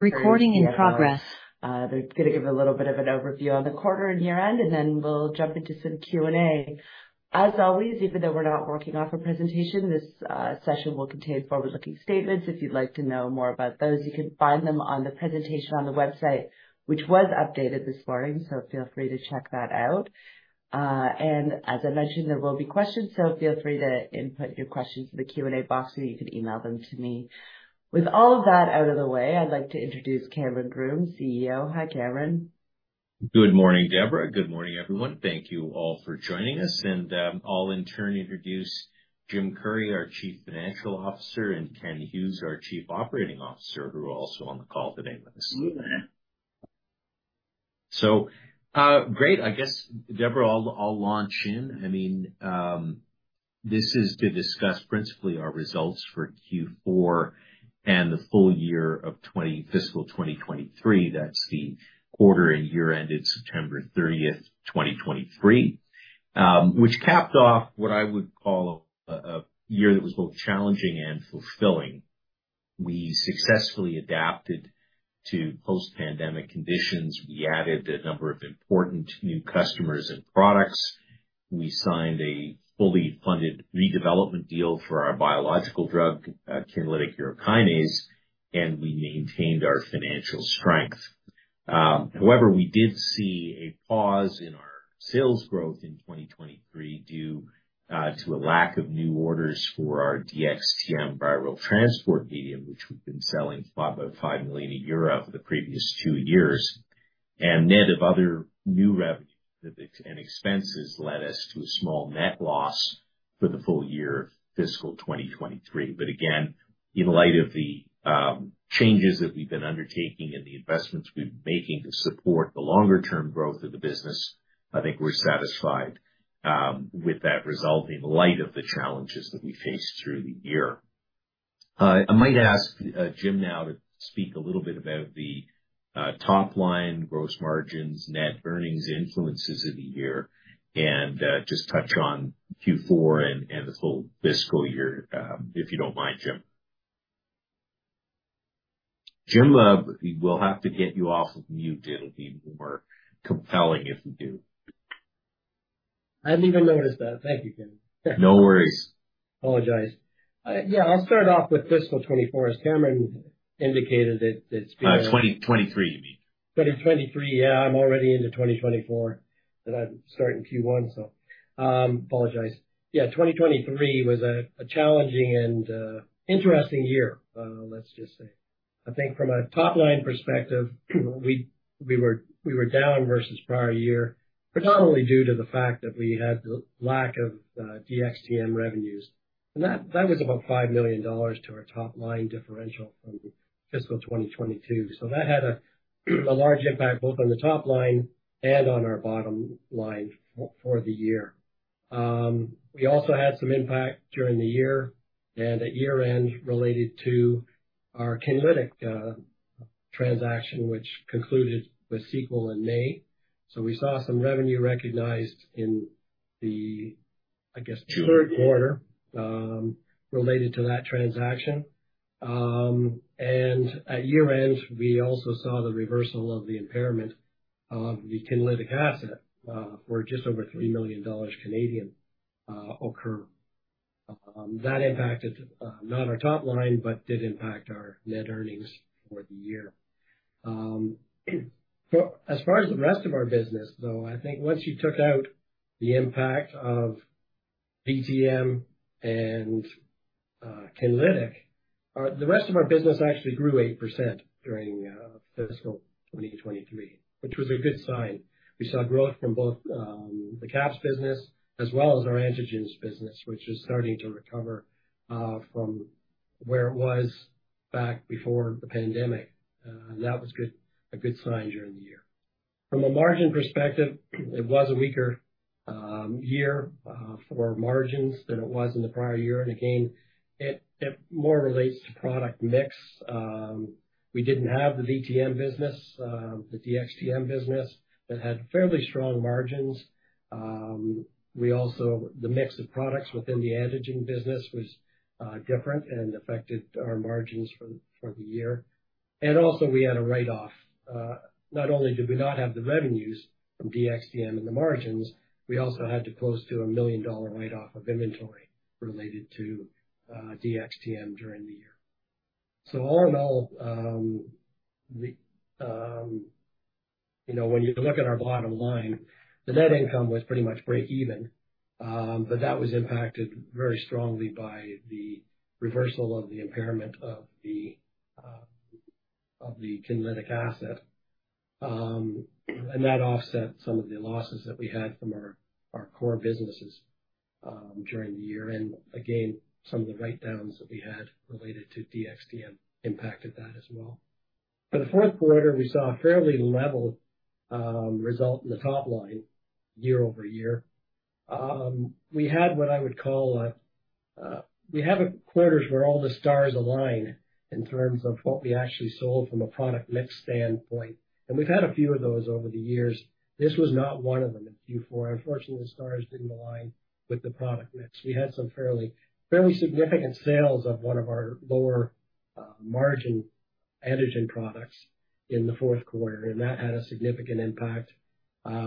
Recording in progress. They're gonna give a little bit of an overview on the quarter and year-end, and then we'll jump into some Q&A. As always, even though we're not working off a presentation, this session will contain forward-looking statements. If you'd like to know more about those, you can find them on the presentation on the website, which was updated this morning, so feel free to check that out. And as I mentioned, there will be questions, so feel free to input your questions in the Q&A box, or you can email them to me. With all of that out of the way, I'd like to introduce Cameron Groome, CEO. Hi, Cameron. Good morning, Deborah. Good morning, everyone. Thank you all for joining us. I'll in turn introduce Jim Curry, our Chief Financial Officer, and Ken Hughes, our Chief Operating Officer, who are also on the call today with us. Good morning. So, great. I guess, Deborah, I'll launch in. I mean, this is to discuss principally our results for Q4 and the full year of fiscal 2023. That's the quarter and year ended September 30, 2023. Which capped off what I would call a year that was both challenging and fulfilling. We successfully adapted to post-pandemic conditions. We added a number of important new customers and products. We signed a fully funded redevelopment deal for our biological drug, Kinlytic urokinase, and we maintained our financial strength. However, we did see a pause in our sales growth in 2023 due to a lack of new orders for our DxTM viral transport medium, which we've been selling 5 million-5 million a year over the previous two years. Net of other new revenue and expenses led us to a small net loss for the full year of fiscal 2023. But again, in light of the changes that we've been undertaking and the investments we've been making to support the longer term growth of the business, I think we're satisfied with that result in light of the challenges that we faced through the year. I might ask, Jim, now to speak a little bit about the top-line gross margins, net earnings influences of the year, and just touch on Q4 and the full fiscal year, if you don't mind, Jim. Jim, we will have to get you off of mute. It'll be more compelling if you do. I hadn't even noticed that. Thank you, Cameron. No worries. Apologies. Yeah, I'll start off with fiscal 2024, as Cameron indicated that, it's been- 2023, you mean. 2023. Yeah, I'm already into 2024, that I'm starting Q1, so, apologize. Yeah, 2023 was a, a challenging and, interesting year, let's just say. I think from a top-line perspective, we, we were, we were down versus prior year, predominantly due to the fact that we had the lack of, DxTM revenues. And that, that was about 5 million dollars to our top-line differential from fiscal 2022. So that had a, a large impact both on the top line and on our bottom line for, for the year. We also had some impact during the year and at year-end related to our Kinlytic, transaction, which concluded with Sequel in May. So we saw some revenue recognized in the, I guess, third quarter, related to that transaction. And at year-end, we also saw the reversal of the impairment of the Kinlytic asset, for just over 3 million Canadian dollars, occur. That impacted, not our top line, but did impact our net earnings for the year. But as far as the rest of our business, though, I think once you took out the impact of VTM and, Kinlytic, the rest of our business actually grew 8% during, fiscal 2023, which was a good sign. We saw growth from both, the QAPs business as well as our antigens business, which is starting to recover, from where it was back before the pandemic. And that was good, a good sign during the year. From a margin perspective, it was a weaker year for margins than it was in the prior year, and again, it more relates to product mix. We didn't have the VTM business, the DxTM business, that had fairly strong margins. We also... the mix of products within the antigen business was different and affected our margins for the year. And also, we had a write-off. Not only did we not have the revenues from DxTM and the margins, we also had close to a 1 million dollar write-off of inventory related to DxTM during the year. So all in all, the, you know, when you look at our bottom line, the net income was pretty much break even, but that was impacted very strongly by the reversal of the impairment of the, of the Kinlytic asset. And that offset some of the losses that we had from our COR businesses during the year. And again, some of the write-downs that we had related to DxTM impacted that as well. For the fourth quarter, we saw a fairly level result in the top line year over year. We had what I would call we have quarters where all the stars align in terms of what we actually sold from a product mix standpoint, and we've had a few of those over the years. This was not one of them, in Q4. Unfortunately, the stars didn't align with the product mix. We had some fairly significant sales of one of our lower margin antigen products in the fourth quarter, and that had a significant impact.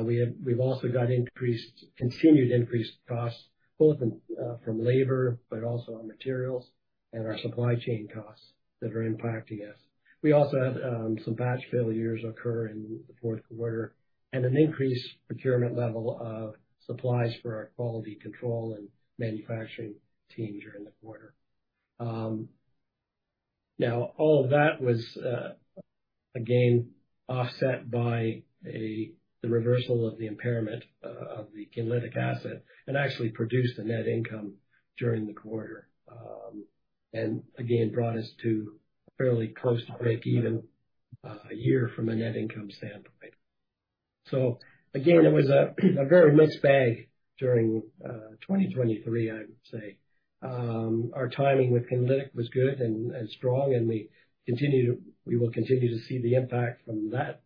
We have, we've also got increased, continued increased costs, both in, from labor, but also on materials and our supply chain costs that are impacting us. We also had, some batch failures occur in the fourth quarter, and an increased procurement level of supplies for our quality control and manufacturing teams during the quarter. Now, all of that was, again, offset by a, the reversal of the impairment, of the Kinlytic asset, and actually produced a net income during the quarter. And again, brought us to fairly close to breakeven, a year from a net income standpoint. So again, it was a, a very mixed bag during, 2023, I would say. Our timing with Kinlytic was good and strong, and we will continue to see the impact from that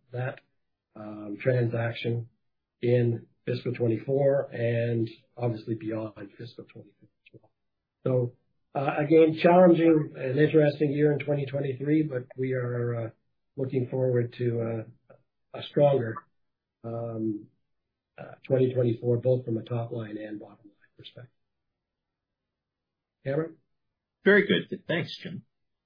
transaction in fiscal 2024 and obviously beyond fiscal 2024. So, again, challenging and interesting year in 2023, but we are looking forward to a stronger 2024, both from a top line and bottom line perspective. Cameron? Very good. Thanks, Jim.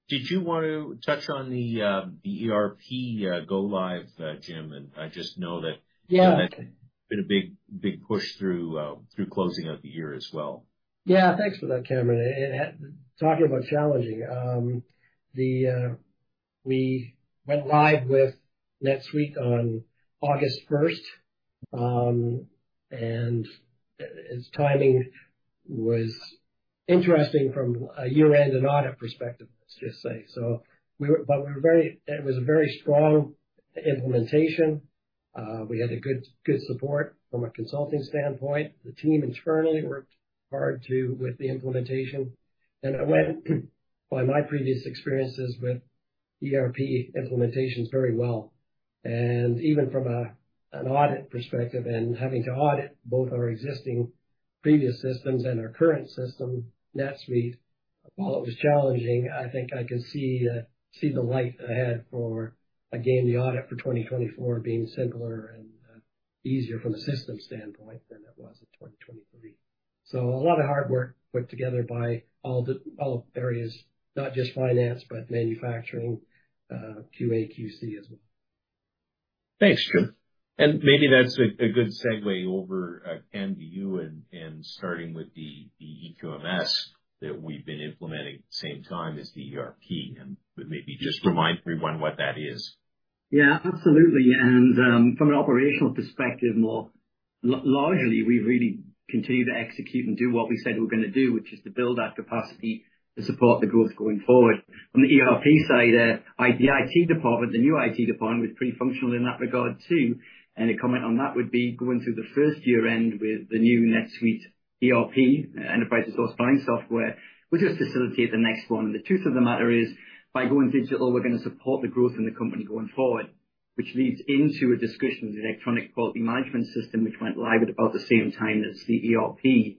Did you want to touch on the ERP go live, Jim? And I just know that- Yeah. - been a big, big push through, through closing out the year as well. Yeah. Thanks for that, Cameron. And talking about challenging, we went live with NetSuite on August 1st. And its timing was interesting from a year-end and audit perspective, let's just say. But it was a very strong implementation. We had good support from a consulting standpoint. The team internally worked hard, too, with the implementation, and it went, by my previous experiences with ERP implementations, very well. And even from an audit perspective and having to audit both our existing previous systems and our current system, NetSuite, while it was challenging, I think I can see the light ahead for, again, the audit for 2024 being simpler and easier from a system standpoint than it was in 2023. So a lot of hard work put together by all areas, not just finance, but manufacturing, QA, QC as well. Thanks, Jim. And maybe that's a good segue over, Ken, to you and starting with the eQMS that we've been implementing same time as the ERP, and maybe just remind everyone what that is. Yeah, absolutely. And from an operational perspective, more largely, we really continue to execute and do what we said we're gonna do, which is to build our capacity to support the growth going forward. On the ERP side, IT, the IT department, the new IT department, was pretty functional in that regard, too. And a comment on that would be, going through the first year-end with the new NetSuite ERP, Enterprise Resource Planning software, will just facilitate the next one. The truth of the matter is, by going digital, we're gonna support the growth in the company going forward, which leads into a discussion of the electronic quality management system, which went live at about the same time as the ERP.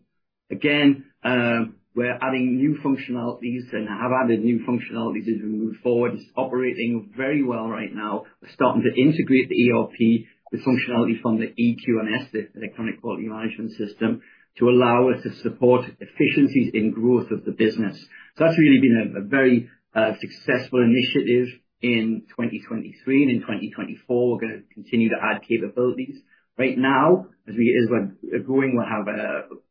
Again, we're adding new functionalities and have added new functionalities as we move forward. It's operating very well right now. We're starting to integrate the ERP, the functionality from the eQMS, the Electronic Quality Management System, to allow us to support efficiencies in growth of the business. So that's really been a very successful initiative in 2023, and in 2024, we're gonna continue to add capabilities. Right now, as we're growing, we'll have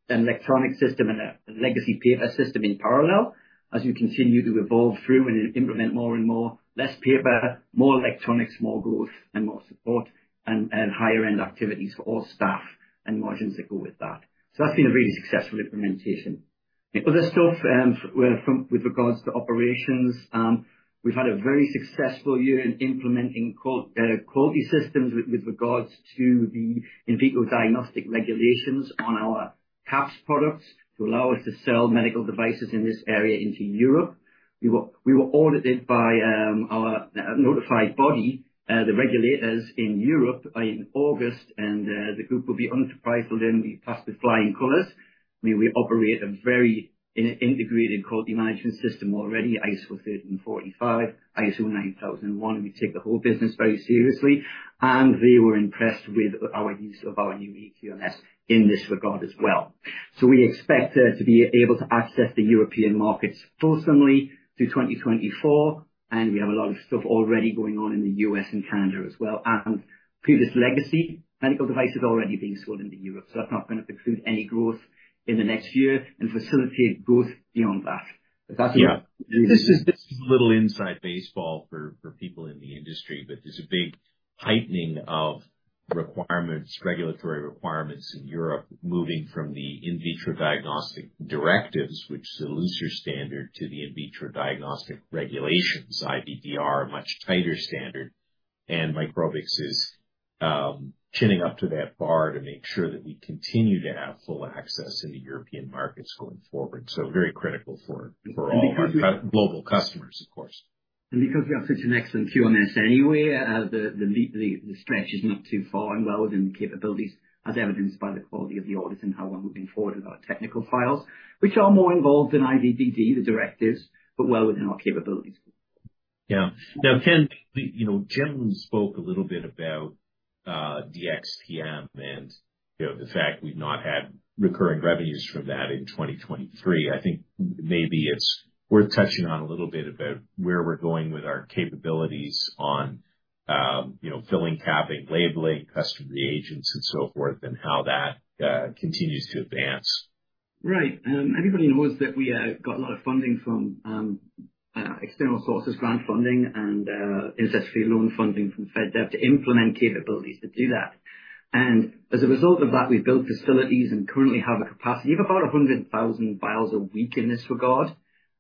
an electronic system and a legacy paper system in parallel. As we continue to evolve through and implement more and more, less paper, more electronics, more growth and more support, and higher end activities for all staff, and margins that go with that. So that's been a really successful implementation. The other stuff, with regards to operations, we've had a very successful year in implementing quality systems with regards to the In Vitro Diagnostic Regulations on our QAPs products, to allow us to sell medical devices in this area into Europe. We were audited by our notified body, the regulators in Europe in August, and the group will be unsurprised to learn we passed it with flying colors. We operate a very integrated quality management system already, ISO 13485, ISO 9001. We take the whole business very seriously, and they were impressed with our use of our new eQMS in this regard as well. So we expect to be able to access the European markets fully through 2024, and we have a lot of stuff already going on in the U.S. and Canada as well, and previous legacy medical devices already being sold into Europe, so that's not gonna preclude any growth in the next year and facilitate growth beyond that. But that's- Yeah. This is, this is a little inside baseball for, for people in the industry, but there's a big heightening of requirements, regulatory requirements in Europe, moving from the In Vitro Diagnostic Directives, which is a looser standard, to the In Vitro Diagnostic Regulations, IVDR, a much tighter standard. And Microbix is chinning up to that bar to make sure that we continue to have full access in the European markets going forward. So very critical for, for all our global customers, of course. Because we have such an excellent QMS anyway, the stretch is not too far and well within capabilities, as evidenced by the quality of the audit and how well we've been forward with our technical files, which are more involved in IVD, the directives, but well within our capabilities.... Yeah. Now, Ken, you know, Jim spoke a little bit about the DxTM and, you know, the fact we've not had recurring revenues from that in 2023. I think maybe it's worth touching on a little bit about where we're going with our capabilities on, you know, filling, capping, labeling, custom reagents, and so forth, and how that continues to advance. Right. Everybody knows that we got a lot of funding from external sources, grant funding, and necessary loan funding from FedDev to implement capabilities to do that. As a result of that, we've built facilities and currently have a capacity of about 100,000 vials a week in this regard.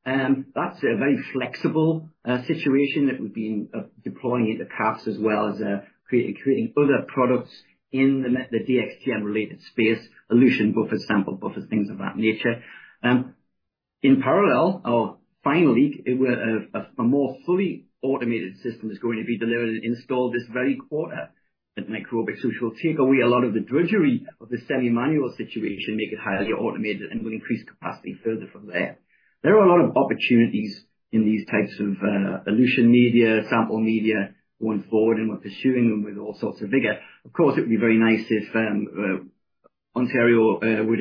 That's a very flexible situation that we've been deploying into QAPs as well as creating other products in the DxTM-related space, elution buffers, sample buffers, things of that nature. In parallel, finally, a more fully automated system is going to be delivered and installed this very quarter at Microbix, which will take away a lot of the drudgery of the semi-manual situation, make it highly automated, and will increase capacity further from there. There are a lot of opportunities in these types of, elution media, sample media going forward, and we're pursuing them with all sorts of vigor. Of course, it would be very nice if, Ontario, would,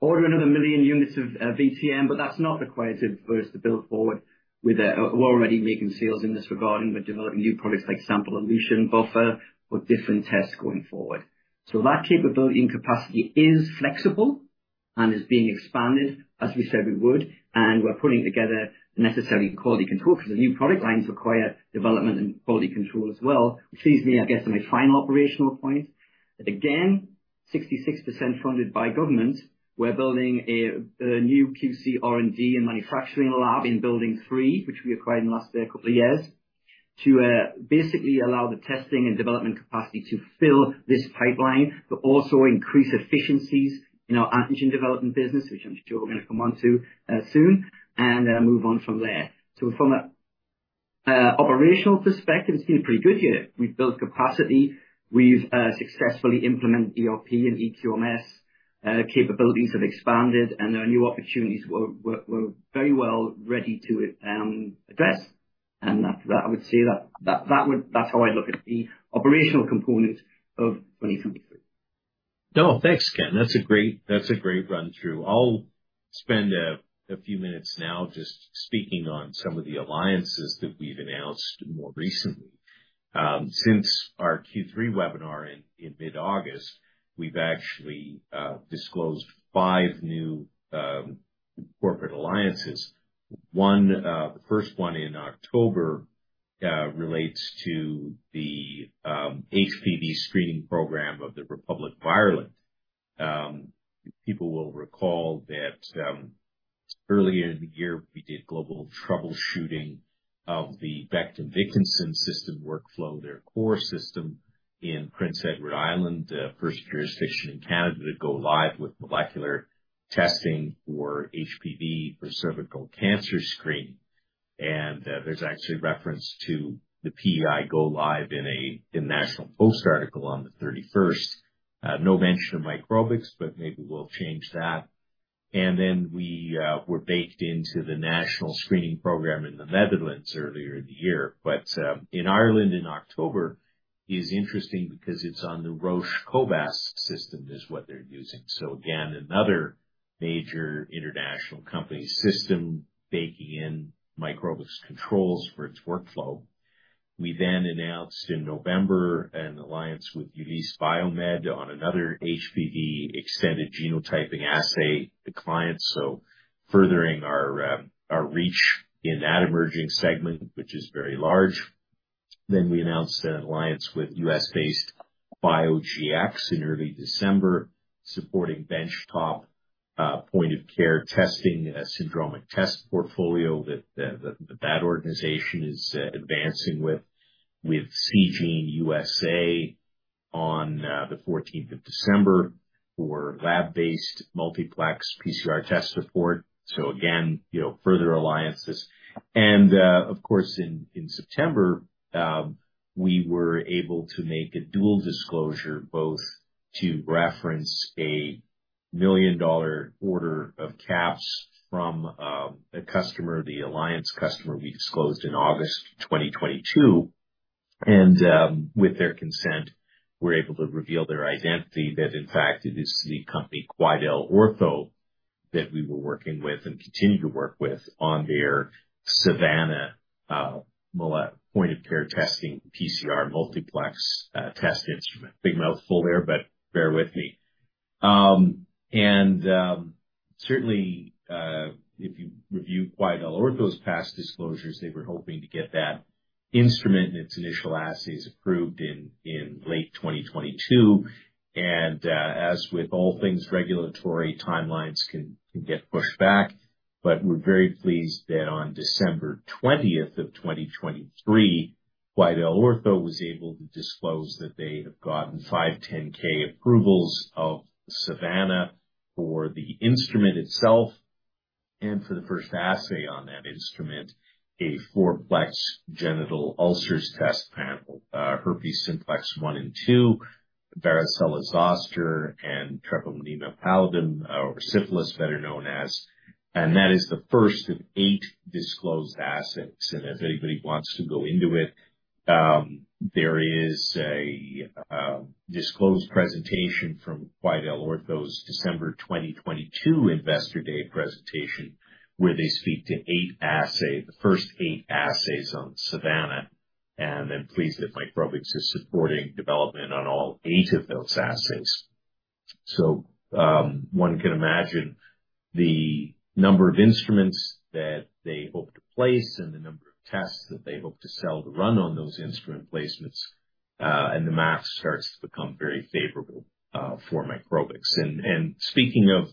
order another 1 million units of, VTM, but that's not required for us to build forward with the- we're already making sales in this regard, and we're developing new products like sample elution buffer for different tests going forward. So that capability and capacity is flexible and is being expanded, as we said we would, and we're putting together the necessary quality control, because the new product lines require development and quality control as well. Which leads me, I guess, to my final operational point. Again, 66% funded by government, we're building a new QC, R&D, and manufacturing lab in Building 3, which we acquired in the last couple of years, to basically allow the testing and development capacity to fill this pipeline, but also increase efficiencies in our antigen development business, which I'm sure we're going to come onto soon and move on from there. So from an operational perspective, it's been a pretty good year. We've built capacity, we've successfully implemented ERP and eQMS, capabilities have expanded, and there are new opportunities we're very well ready to address. And after that, I would say that that's how I look at the operational component of 2023. No, thanks, Ken. That's a great, that's a great run-through. I'll spend a few minutes now just speaking on some of the alliances that we've announced more recently. Since our Q3 webinar in mid-August, we've actually disclosed five new corporate alliances. One, the first one in October, relates to the HPV screening program of the Republic of Ireland. People will recall that earlier in the year, we did global troubleshooting of the Becton Dickinson system workflow, their core system in Prince Edward Island, the first jurisdiction in Canada to go live with molecular testing for HPV, for cervical cancer screening. And there's actually a reference to the PEI go live in a National Post article on the 31st. No mention of Microbix, but maybe we'll change that. And then we were baked into the national screening program in the Netherlands earlier in the year. But in Ireland in October is interesting because it's on the Roche cobas system, is what they're using. So again, another major international company's system baking in Microbix controls for its workflow. We then announced in November an alliance with Uvis Inc. on another HPV extended genotyping assay, the client, so furthering our reach in that emerging segment, which is very large. Then we announced an alliance with US-based BioGX in early December, supporting benchtop point-of-care testing, a syndromic test portfolio that the that organization is advancing with Seegene USA on the 14th of December for lab-based multiplex PCR test support. So again, you know, further alliances. Of course, in September, we were able to make a dual disclosure, both to reference a $1 million order of caps from a customer, the alliance customer we disclosed in August 2022. With their consent, we're able to reveal their identity, that in fact it is the company QuidelOrtho that we were working with, and continue to work with, on their Savanna point-of-care testing, PCR multiplex test instrument. Big mouthful there, but bear with me. Certainly, if you review QuidelOrtho's past disclosures, they were hoping to get that instrument and its initial assays approved in late 2022. As with all things regulatory, timelines can get pushed back. But we're very pleased that on December 20, 2023, QuidelOrtho was able to disclose that they have gotten 510(k) approvals of Savanna for the instrument itself, and for the first assay on that instrument, a 4-plex genital ulcers test panel, herpes simplex 1 and 2, varicella zoster, and Treponema pallidum, or syphilis, better known as. And that is the first of eight disclosed assets. And if anybody wants to go into it, there is a disclosed presentation from QuidelOrtho's December 2022 Investor Day presentation, where they speak to eight assay, the first eight assays on Savanna, and I'm pleased that Microbix is supporting development on all eight of those assays. So, one can imagine the number of instruments that they hope to place and the number of tests that they hope to sell to run on those instrument placements, and the math starts to become very favorable for Microbix. And, speaking of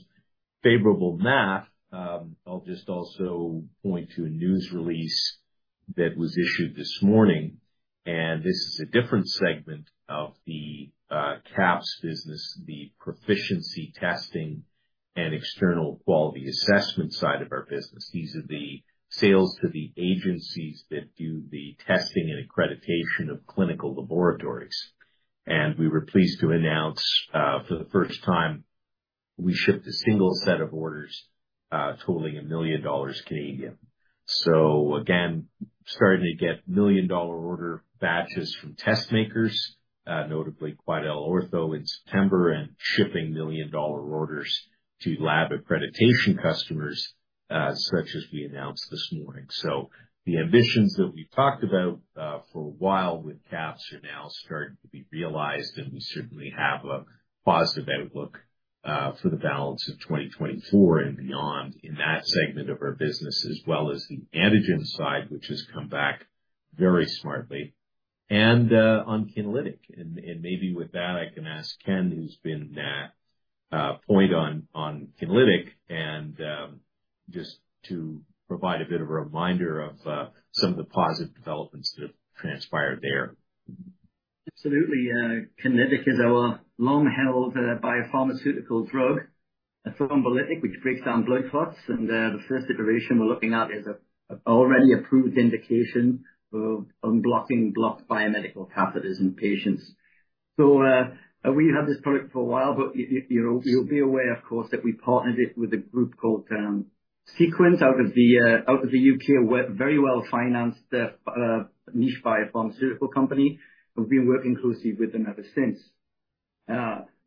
favorable math, I'll just also point to a news release that was issued this morning, and this is a different segment of the QAPs business, the proficiency testing and external quality assessment side of our business. These are the sales to the agencies that do the testing and accreditation of clinical laboratories. And we were pleased to announce, for the first time, we shipped a single set of orders totaling 1 million dollars. So again, starting to get million-dollar order batches from test makers, notably QuidelOrtho in September, and shipping million-dollar orders to lab accreditation customers, such as we announced this morning. So the ambitions that we've talked about, for a while with QAPs are now starting to be realized, and we certainly have a positive outlook, for the balance of 2024 and beyond in that segment of our business, as well as the antigen side, which has come back very smartly. And, on Kinlytic, and maybe with that, I can ask Ken, who's been that, point on, on Kinlytic, and, just to provide a bit of a reminder of, some of the positive developments that have transpired there. Absolutely. Kinlytic is our long-held biopharmaceutical drug, a thrombolytic, which breaks down blood clots. The first iteration we're looking at is an already approved indication of unblocking blocked biomedical catheters in patients. We've had this product for a while, but you'll be aware, of course, that we partnered it with a group called Sequel out of the UK, a very well-financed niche biopharmaceutical company. We've been working closely with them ever since.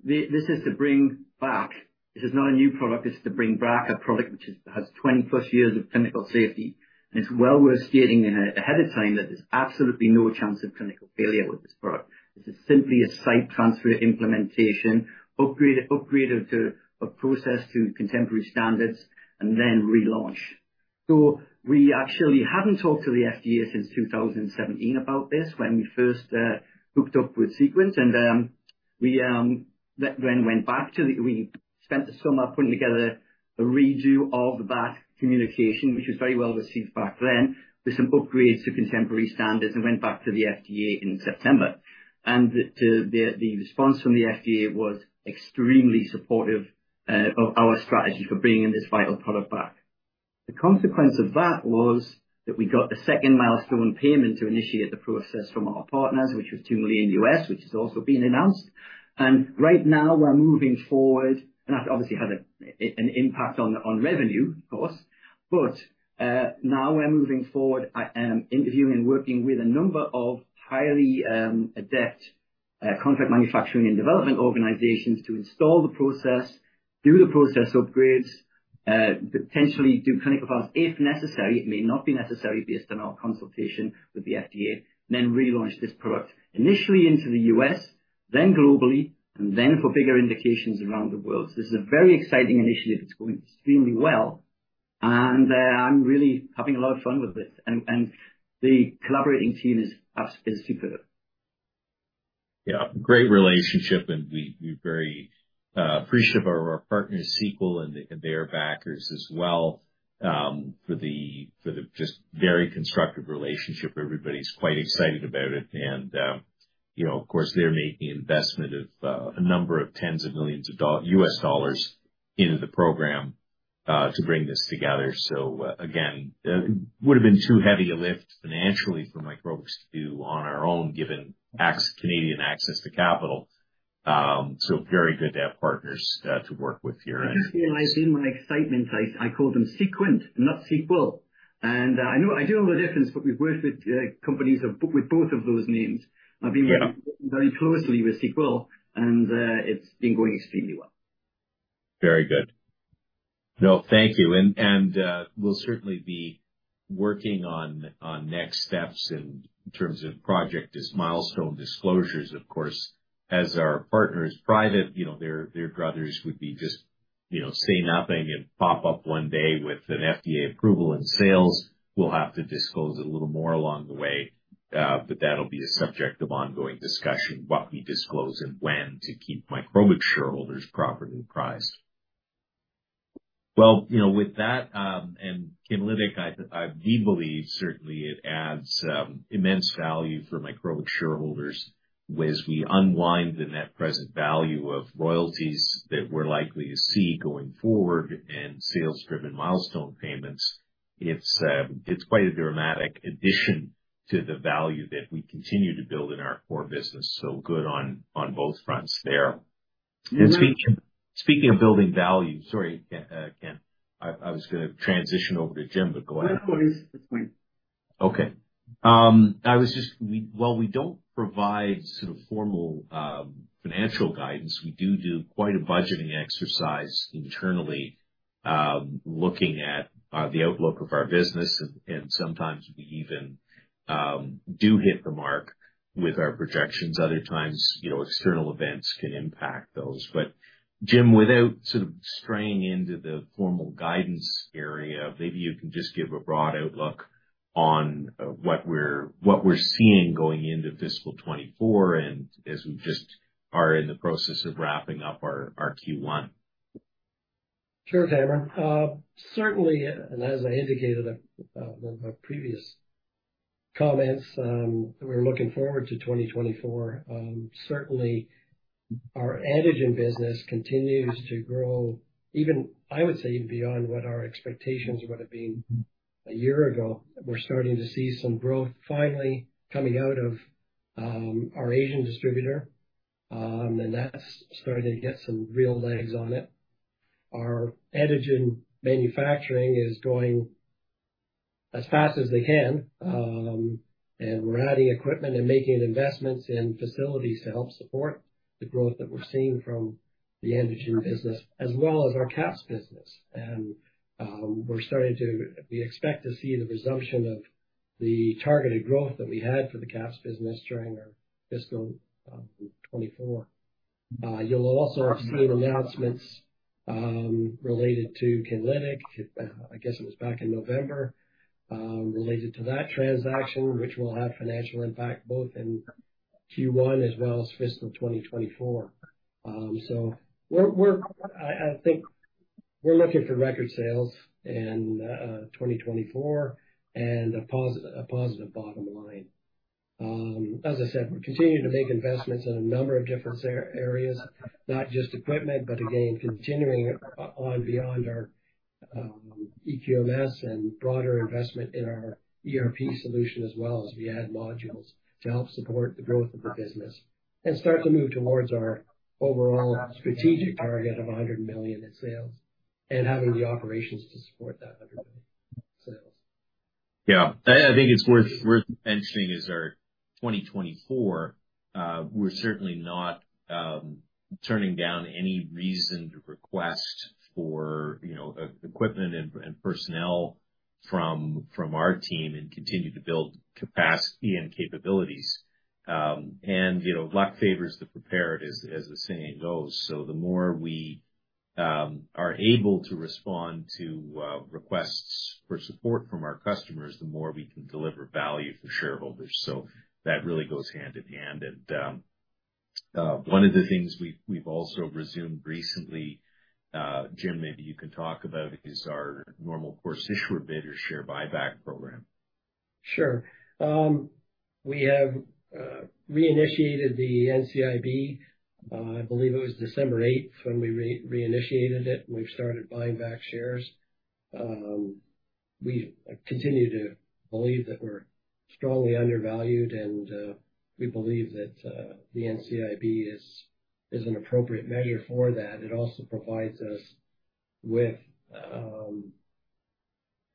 This is to bring back, this is not a new product, this is to bring back a product which has 20+ years of clinical safety. It's well worth stating ahead of time that there's absolutely no chance of clinical failure with this product. This is simply a site transfer implementation, upgrade to a process to contemporary standards and then relaunch. So we actually haven't talked to the FDA since 2017 about this, when we first hooked up with Sequel. And we then went back, we spent the summer putting together a redo of that communication, which was very well received back then, with some upgrades to contemporary standards, and went back to the FDA in September. And the response from the FDA was extremely supportive of our strategy for bringing this vital product back. The consequence of that was that we got a second milestone payment to initiate the process from our partners, which was $2 million, which has also been announced. And right now we're moving forward, and that's obviously had an impact on revenue, of course. But, now we're moving forward and interviewing and working with a number of highly adept contract manufacturing and development organizations to install the process, do the process upgrades, potentially do clinical trials, if necessary. It may not be necessary based on our consultation with the FDA, and then relaunch this product initially into the U.S., then globally, and then for bigger indications around the world. So this is a very exciting initiative. It's going extremely well, and, I'm really having a lot of fun with it. And, the collaborating team is super. Yeah, great relationship, and we're very appreciative of our partners, Sequel, and their backers as well, for the just very constructive relationship. Everybody's quite excited about it, and, you know, of course, they're making investment of a number of tens of millions of US dollars into the program to bring this together. So again, would have been too heavy a lift financially for Microbix to do on our own, given Canadian access to capital. So very good to have partners to work with here. I just realized in my excitement, I called them Sequel, not Sequel. And I know, I know the difference, but we've worked with companies with both of those names. Yeah. I've been working very closely with Sequel, and it's been going extremely well. Very good. No, thank you. And we'll certainly be working on next steps in terms of project as milestone disclosures, of course. As our partner is private, you know, their brass would be just, you know, say nothing and pop up one day with an FDA approval and sales. We'll have to disclose a little more along the way, but that'll be the subject of ongoing discussion, what we disclose and when, to keep Microbix shareholders properly apprised. Well, you know, with that, and Kinlytic, we believe, certainly it adds immense value for Microbix shareholders, as we unwind the net present value of royalties that we're likely to see going forward and sales-driven milestone payments, it's quite a dramatic addition to the value that we continue to build in our COR business. So good on both fronts there. Speaking of building value, sorry, Ken, I was gonna transition over to Jim, but go ahead. No, please. It's fine. Okay. I was just – while we don't provide sort of formal financial guidance, we do do quite a budgeting exercise internally, looking at the outlook of our business, and sometimes we even do hit the mark with our projections. Other times, you know, external events can impact those. But Jim, without sort of straying into the formal guidance area, maybe you can just give a broad outlook on what we're seeing going into fiscal 2024, and as we just are in the process of wrapping up our Q1. Sure, Cameron. Certainly, and as I indicated in my previous comments, we're looking forward to 2024. Certainly, our antigen business continues to grow, even I would say even beyond what our expectations would have been a year ago. We're starting to see some growth finally coming out of our Asian distributor, and that's starting to get some real legs on it. Our antigen manufacturing is going as fast as they can, and we're adding equipment and making investments in facilities to help support the growth that we're seeing from the antigen business, as well as our QAPs business. We expect to see the resumption of the targeted growth that we had for the QAPs business during our fiscal 2024. You'll also have seen announcements related to Kinlytic, I guess it was back in November, related to that transaction, which will have financial impact both in Q1 as well as fiscal 2024. So we think we're looking for record sales in 2024 and a positive bottom line. As I said, we're continuing to make investments in a number of different areas, not just equipment, but again, continuing on beyond our EQMS and broader investment in our ERP solution, as well as we add modules to help support the growth of the business. And start to move towards our overall strategic target of 100 million in sales and having the operations to support that CAD 100 million sales. Yeah. I think it's worth mentioning as our 2024, we're certainly not turning down any reasoned request for, you know, equipment and personnel from our team, and continue to build capacity and capabilities. And, you know, luck favors the prepared, as the saying goes. So the more we are able to respond to requests for support from our customers, the more we can deliver value for shareholders. So that really goes hand in hand. And one of the things we've also resumed recently, Jim, maybe you can talk about, is our normal course issuer bid share buyback program. Sure. We have reinitiated the NCIB. I believe it was December 8th when we reinitiated it. We've started buying back shares. We continue to believe that we're strongly undervalued, and we believe that the NCIB is an appropriate measure for that. It also provides us with.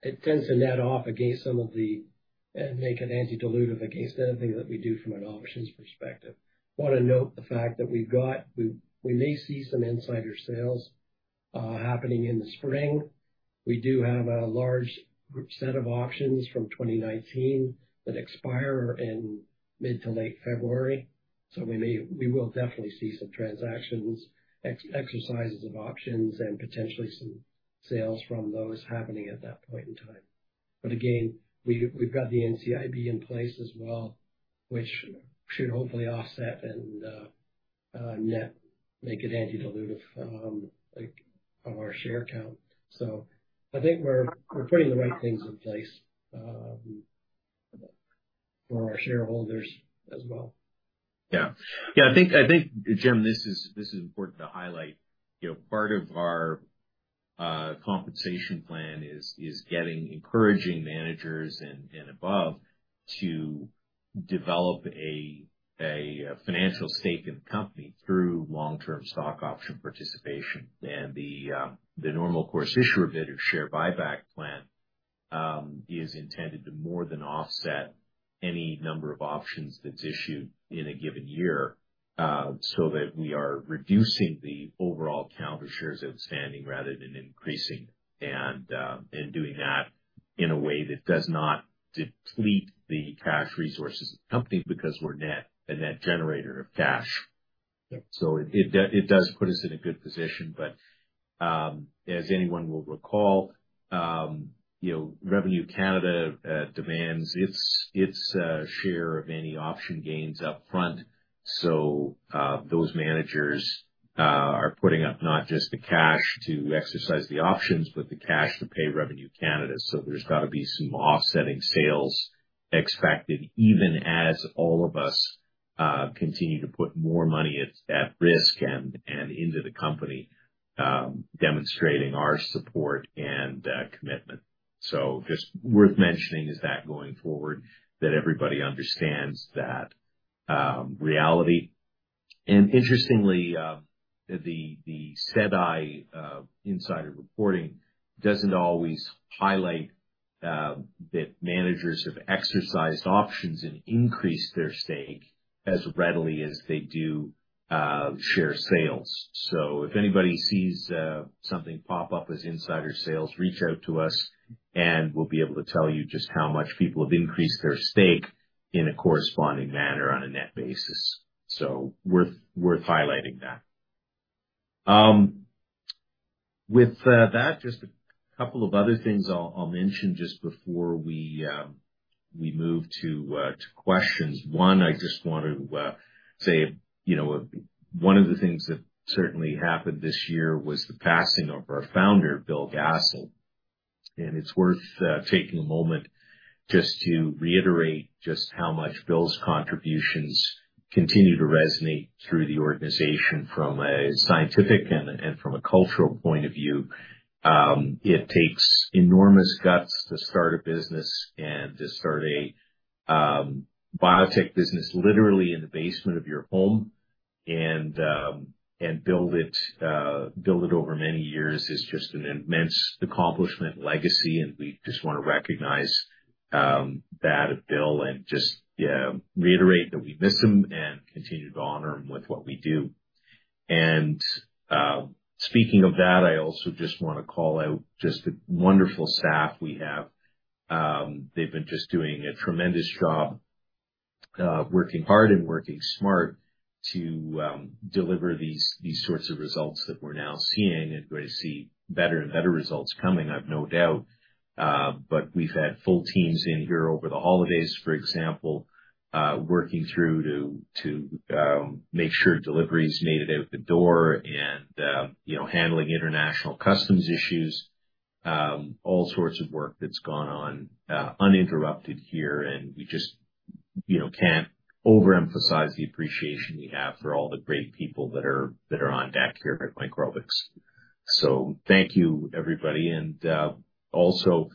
It tends to net off against some of the, make an anti-dilutive against anything that we do from an options perspective. Want to note the fact that we've got, we may see some insider sales happening in the spring. We do have a large set of options from 2019 that expire in mid to late February, so we may, we will definitely see some transactions, exercises of options and potentially some sales from those happening at that point in time. But again, we've got the NCIB in place as well, which should hopefully offset and net make it anti-dilutive, like, on our share count. So I think we're putting the right things in place for our shareholders as well. Yeah. Yeah, I think, I think, Jim, this is, this is important to highlight. You know, part of our compensation plan is encouraging managers and above to develop a financial stake in the company through long-term stock option participation. And the normal course issuer bid share buyback plan is intended to more than offset any number of options that's issued in a given year, so that we are reducing the overall count of shares outstanding rather than increasing, and doing that in a way that does not deplete the cash resources of the company because we're a net generator of cash. Yeah. So it does put us in a good position, but as anyone will recall, you know, Revenue Canada demands its share of any option gains upfront, so those managers are putting up not just the cash to exercise the options, but the cash to pay Revenue Canada. So there's got to be some offsetting sales expected, even as all of us continue to put more money at risk and into the company, demonstrating our support and commitment. So just worth mentioning is that going forward, that everybody understands that reality. And interestingly, the SEDI insider reporting doesn't always highlight that managers have exercised options and increased their stake as readily as they do share sales. So if anybody sees something pop up as insider sales, reach out to us, and we'll be able to tell you just how much people have increased their stake in a corresponding manner on a net basis. So worth highlighting that. With that, just a couple of other things I'll mention just before we move to questions. One, I just want to say, you know, one of the things that certainly happened this year was the passing of our founder, Bill Gastle, and it's worth taking a moment just to reiterate just how much Bill's contributions continue to resonate through the organization from a scientific and from a cultural point of view. It takes enormous guts to start a business and to start a biotech business, literally in the basement of your home, and build it over many years is just an immense accomplishment, legacy. We just want to recognize that of Bill and just, yeah, reiterate that we miss him and continue to honor him with what we do. Speaking of that, I also just want to call out just the wonderful staff we have. They've been just doing a tremendous job, working hard and working smart to deliver these sorts of results that we're now seeing, and we're going to see better and better results coming, I've no doubt. But we've had full teams in here over the holidays, for example, working through to make sure deliveries made it out the door and, you know, handling international customs issues. All sorts of work that's gone on, uninterrupted here, and we just, you know, can't overemphasize the appreciation we have for all the great people that are on deck here at Microbix. So thank you, everybody. And, also,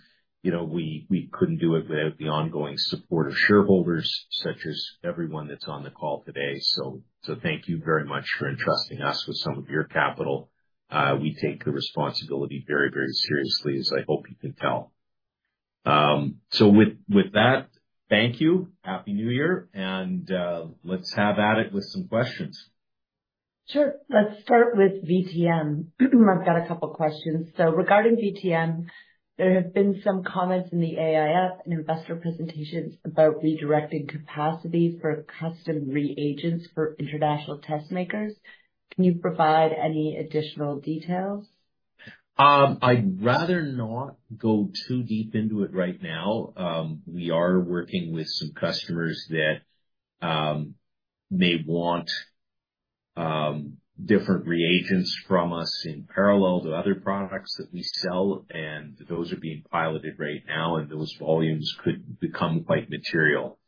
you know, we couldn't do it without the ongoing support of shareholders, such as everyone that's on the call today. So thank you very much for entrusting us with some of your capital. We take the responsibility very, very seriously, as I hope you can tell. So with that, thank you. Happy New Year, and, let's have at it with some questions. Sure. Let's start with VTM. I've got a couple questions. So regarding VTM, there have been some comments in the AIF and investor presentations about redirecting capacity for custom reagents for international test makers. Can you provide any additional details? I'd rather not go too deep into it right now. We are working with some customers that may want different reagents from us in parallel to other products that we sell, and those are being piloted right now, and those volumes could become quite material.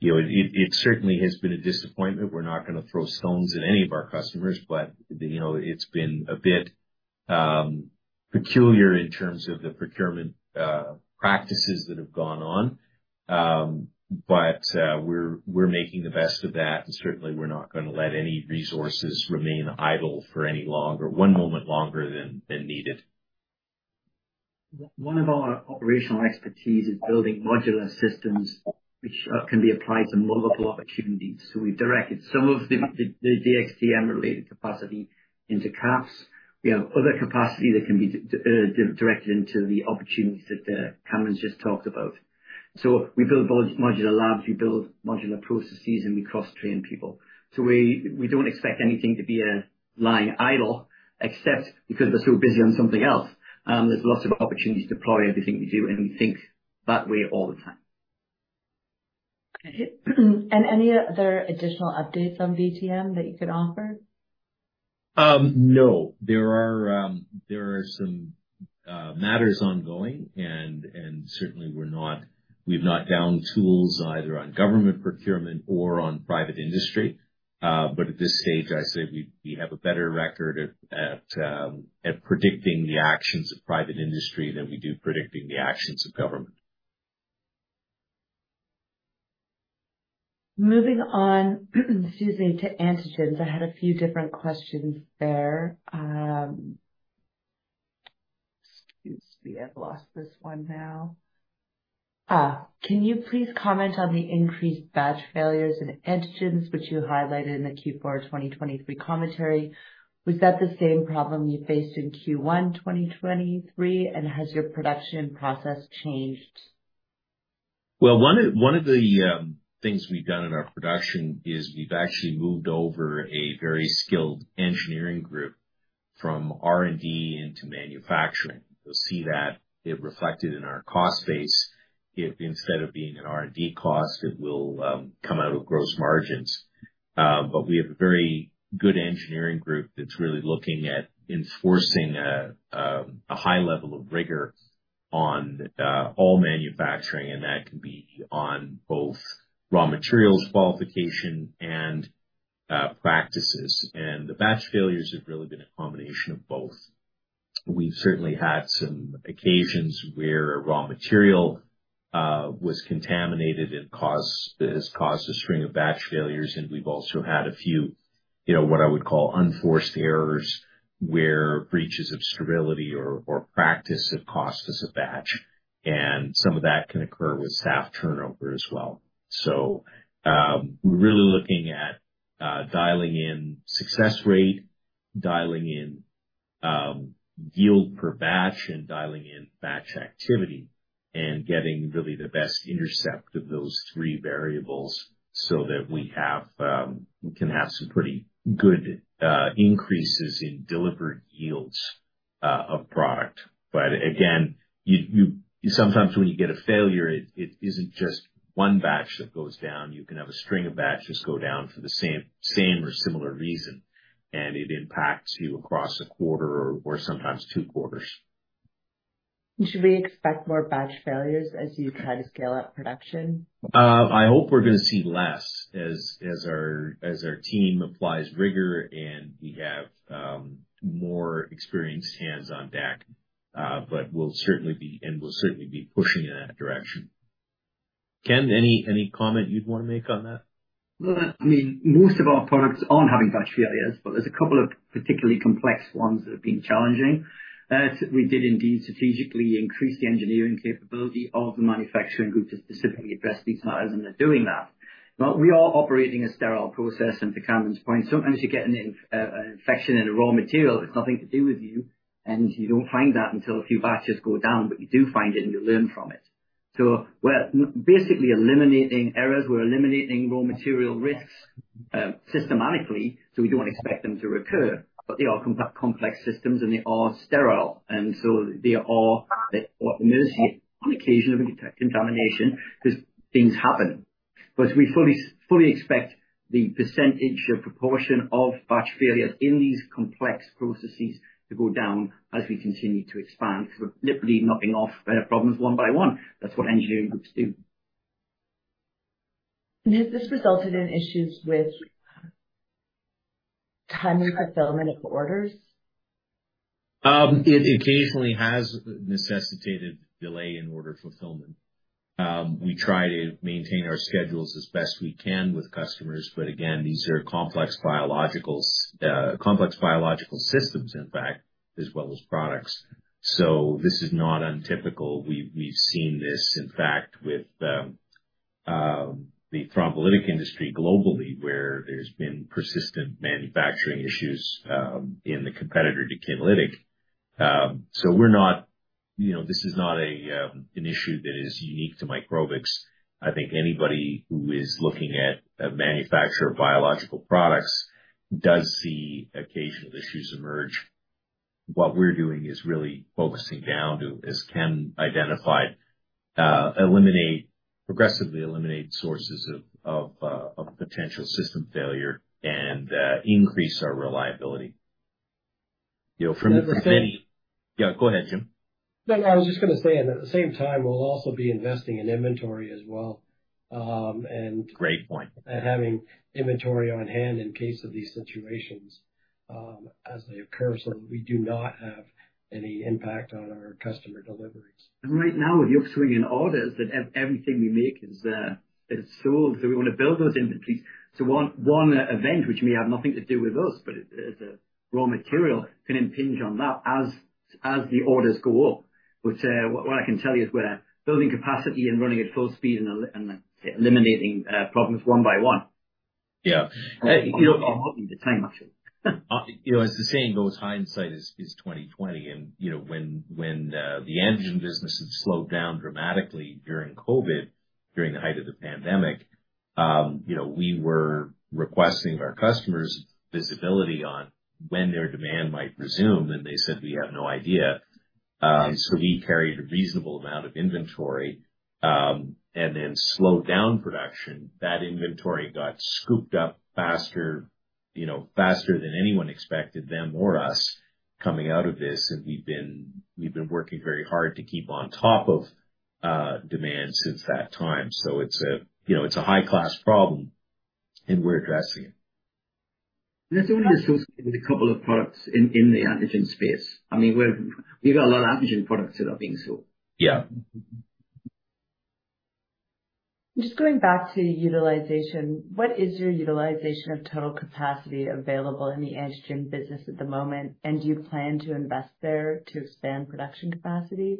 You know, it, it certainly has been a disappointment. We're not going to throw stones at any of our customers, but, you know, it's been a bit peculiar in terms of the procurement practices that have gone on. But we're making the best of that, and certainly we're not going to let any resources remain idle for any longer, one moment longer than, than needed. One of our operational expertise is building modular systems which can be applied to multiple opportunities. So we've directed some of the DxTM related capacity into QAPs. We have other capacity that can be directed into the opportunities that Cameron just talked about. So we build modular labs, we build modular processes, and we cross-train people. So we don't expect anything to be lying idle except because they're so busy on something else. There's lots of opportunities to deploy everything we do, and we think that way all the time. Any other additional updates on VTM that you could offer? No, there are some matters ongoing, and certainly we're not, we've not downed tools either on government procurement or on private industry. But at this stage, I'd say we have a better record at predicting the actions of private industry than we do predicting the actions of government. Moving on, excuse me, to antigens. I had a few different questions there. Excuse me, I've lost this one now. Can you please comment on the increased batch failures in antigens, which you highlighted in the Q4 of 2023 commentary? Was that the same problem you faced in Q1 2023? And has your production process changed? Well, one of the things we've done in our production is we've actually moved over a very skilled engineering group from R&D into manufacturing. You'll see that it reflected in our cost base. If instead of being an R&D cost, it will come out of gross margins. But we have a very good engineering group that's really looking at enforcing a high level of rigor on all manufacturing, and that can be on both raw materials, qualification, and practices. And the batch failures have really been a combination of both. We've certainly had some occasions where a raw material was contaminated and has caused a string of batch failures, and we've also had a few, you know, what I would call unforced errors, where breaches of sterility or practice have cost us a batch, and some of that can occur with staff turnover as well. So, we're really looking at dialing in success rate, dialing in yield per batch, and dialing in batch activity, and getting really the best intercept of those three variables so that we have we can have some pretty good increases in delivered yields of product. But again, you, you, sometimes when you get a failure, it, it isn't just one batch that goes down. You can have a string of batches go down for the same, same or similar reason, and it impacts you across a quarter or, or sometimes two quarters. Should we expect more batch failures as you try to scale up production? I hope we're going to see less as our team applies rigor, and we have more experienced hands on deck. But we'll certainly be pushing in that direction. Ken, any comment you'd want to make on that? Well, I mean, most of our products aren't having batch failures, but there's a couple of particularly complex ones that have been challenging. We did indeed strategically increase the engineering capability of the manufacturing group to specifically address these, and they're doing that. But we are operating a sterile process, and to Cameron's point, sometimes you get an infection in a raw material that's nothing to do with you, and you don't find that until a few batches go down, but you do find it, and you learn from it. So we're basically eliminating errors. We're eliminating raw material risks systematically, so we don't expect them to recur. But they are complex systems, and they are sterile, and so they are on occasion of a contamination, because things happen. But we fully, fully expect the percentage or proportion of batch failures in these complex processes to go down as we continue to expand. We're literally knocking off problems one by one. That's what engineering groups do. Has this resulted in issues with timing fulfillment of orders? It occasionally has necessitated delay in order fulfillment. We try to maintain our schedules as best we can with customers, but again, these are complex biologicals, complex biological systems in fact, as well as products, so this is not untypical. We've seen this, in fact, with the, the thrombolytic industry globally, where there's been persistent manufacturing issues, in the competitor to Kinlytic. So we're not, you know, this is not a, an issue that is unique to Microbix. I think anybody who is looking at a manufacturer of biological products does see occasional issues emerge. What we're doing is really focusing down to, as Ken identified, progressively eliminate sources of potential system failure and increase our reliability. You know, from many- I think- Yeah, go ahead, Jim. No, I was just going to say, and at the same time, we'll also be investing in inventory as well. Great point. Having inventory on hand in case of these situations, as they occur, so we do not have any impact on our customer deliveries. Right now, with the upswing in orders, everything we make is sold, so we want to build those inventories. One event, which may have nothing to do with us, but as a raw material, can impinge on that as the orders go up. What I can tell you is we're building capacity and running at full speed and eliminating problems one by one. Yeah. You know, the time actually. You know, as the saying goes, hindsight is 20/20. And you know, when the antigen business had slowed down dramatically during COVID, during the height of the pandemic, you know, we were requesting our customers' visibility on when their demand might resume, and they said: We have no idea. So we carried a reasonable amount of inventory, and then slowed down production. That inventory got scooped up faster, you know, faster than anyone expected, them or us, coming out of this. And we've been working very hard to keep on top of demand since that time. So it's a, you know, it's a high-class problem, and we're addressing it. It's only associated with a couple of products in the antigen space. I mean, we've got a lot of antigen products that are being sold. Yeah. Just going back to utilization, what is your utilization of total capacity available in the antigen business at the moment? Do you plan to invest there to expand production capacity?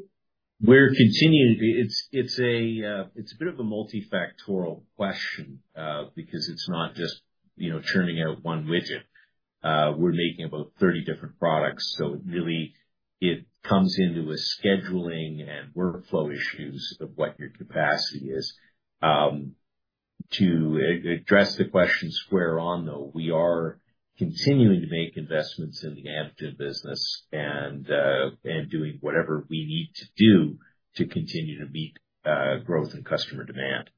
We're continuing to... It's, it's a bit of a multifactorial question, because it's not just, you know, churning out one widget. We're making about 30 different products, so it really, it comes into a scheduling and workflow issues of what your capacity is. To address the question square on, though, we are continuing to make investments in the antigen business and, and doing whatever we need to do to continue to meet, growth and customer demand.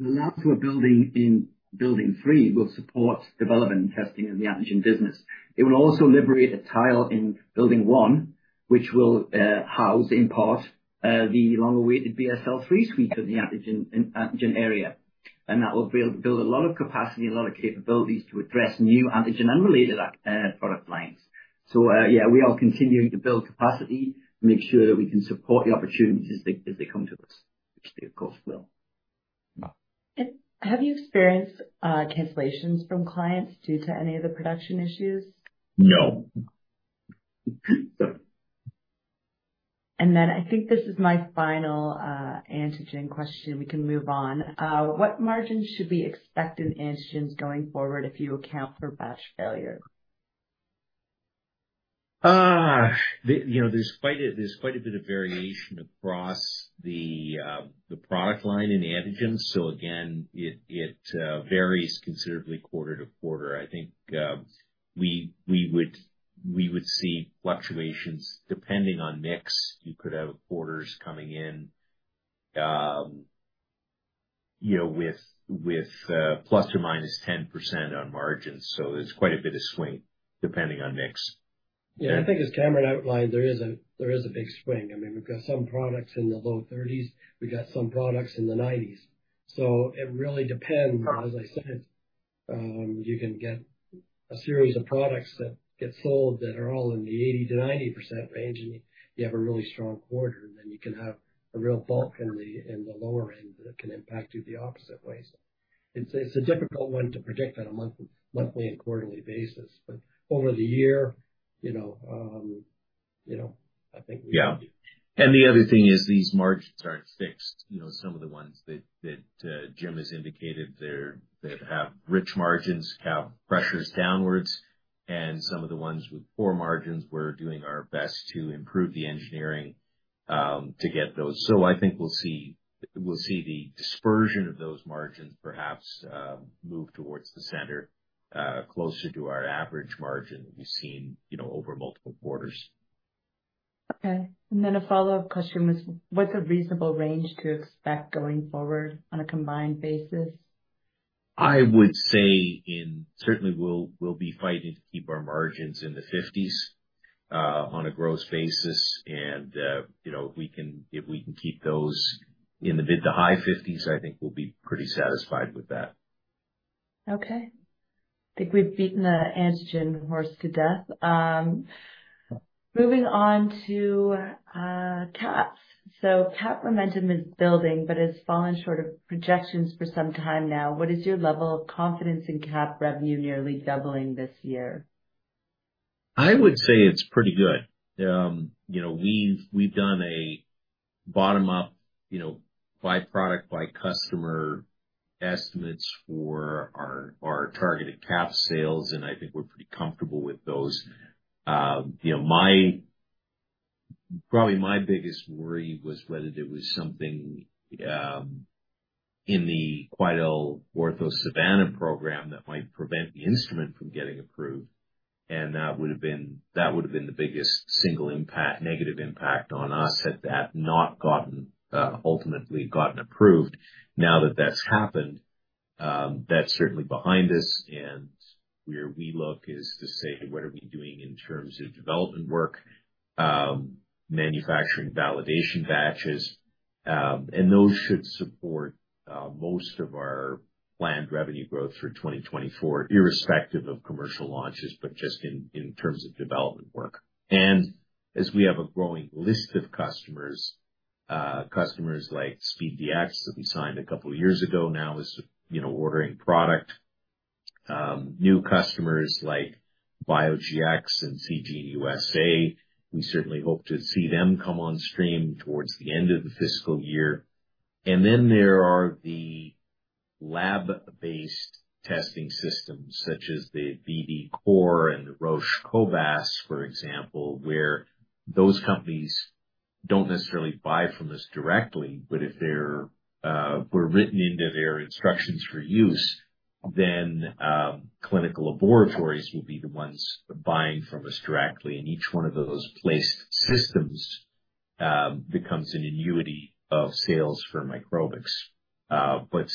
The labs we're building in building three will support development and testing of the antigen business. It will also liberate a tile in Building 1, which will house, in part, the long-awaited BSL-3 suite of the antigen area. And that will build a lot of capacity, a lot of capabilities to address new antigen unrelated product lines. So, yeah, we are continuing to build capacity to make sure that we can support the opportunities as they come to us, which they, of course, will. Yeah. Have you experienced cancellations from clients due to any of the production issues? No. And then I think this is my final, antigen question, we can move on. What margins should we expect in antigens going forward if you account for batch failure? You know, there's quite a bit of variation across the product line in antigens, so again, it varies considerably quarter to quarter. I think, we would see fluctuations depending on mix. You could have orders coming in, you know, with ±10% on margins, so there's quite a bit of swing, depending on mix. Yeah, I think as Cameron outlined, there is a big swing. I mean, we've got some products in the low 30s, we've got some products in the 90s. So it really depends. As I said, you can get a series of products that get sold that are all in the 80%-90% range, and you have a really strong quarter, and then you can have a real bulk in the lower end that can impact you the opposite way. So it's a difficult one to predict on a monthly and quarterly basis, but over the year, you know, you know, I think we- Yeah. The other thing is, these margins aren't fixed. You know, some of the ones that Jim has indicated, they have rich margins, have pressures downwards, and some of the ones with poor margins, we're doing our best to improve the engineering to get those. So I think we'll see, we'll see the dispersion of those margins perhaps move towards the center, closer to our average margin we've seen, you know, over multiple quarters. Okay. And then a follow-up question was, what's a reasonable range to expect going forward on a combined basis? I would say, certainly we'll be fighting to keep our margins in the fifties on a gross basis. And you know, we can, if we can keep those in the mid to high fifties, I think we'll be pretty satisfied with that. Okay. I think we've beaten the antigen horse to death. Moving on to QAPs. QAP momentum is building, but has fallen short of projections for some time now. What is your level of confidence in QAP revenue nearly doubling this year? I would say it's pretty good. You know, we've done a bottom-up, you know, by product, by customer estimates for our targeted QAPs sales, and I think we're pretty comfortable with those. You know, probably my biggest worry was whether there was something in the QuidelOrtho Savanna program that might prevent the instrument from getting approved, and that would've been the biggest single impact, negative impact on us, had that not gotten ultimately gotten approved. Now that that's happened, that's certainly behind us, and where we look is to say: What are we doing in terms of development work, manufacturing, validation batches? And those should support most of our planned revenue growth through 2024, irrespective of commercial launches, but just in terms of development work. As we have a growing list of customers, customers like SpeeDx that we signed a couple of years ago, now is, you know, ordering product. New customers like BioGX and Seegene USA, we certainly hope to see them come on stream towards the end of the fiscal year. And then there are the lab-based testing systems, such as the BD COR and the Roche cobas, for example, where those companies don't necessarily buy from us directly, but if they're were written into their instructions for use, then clinical laboratories will be the ones buying from us directly. And each one of those placed systems becomes an annuity of sales for Microbix. But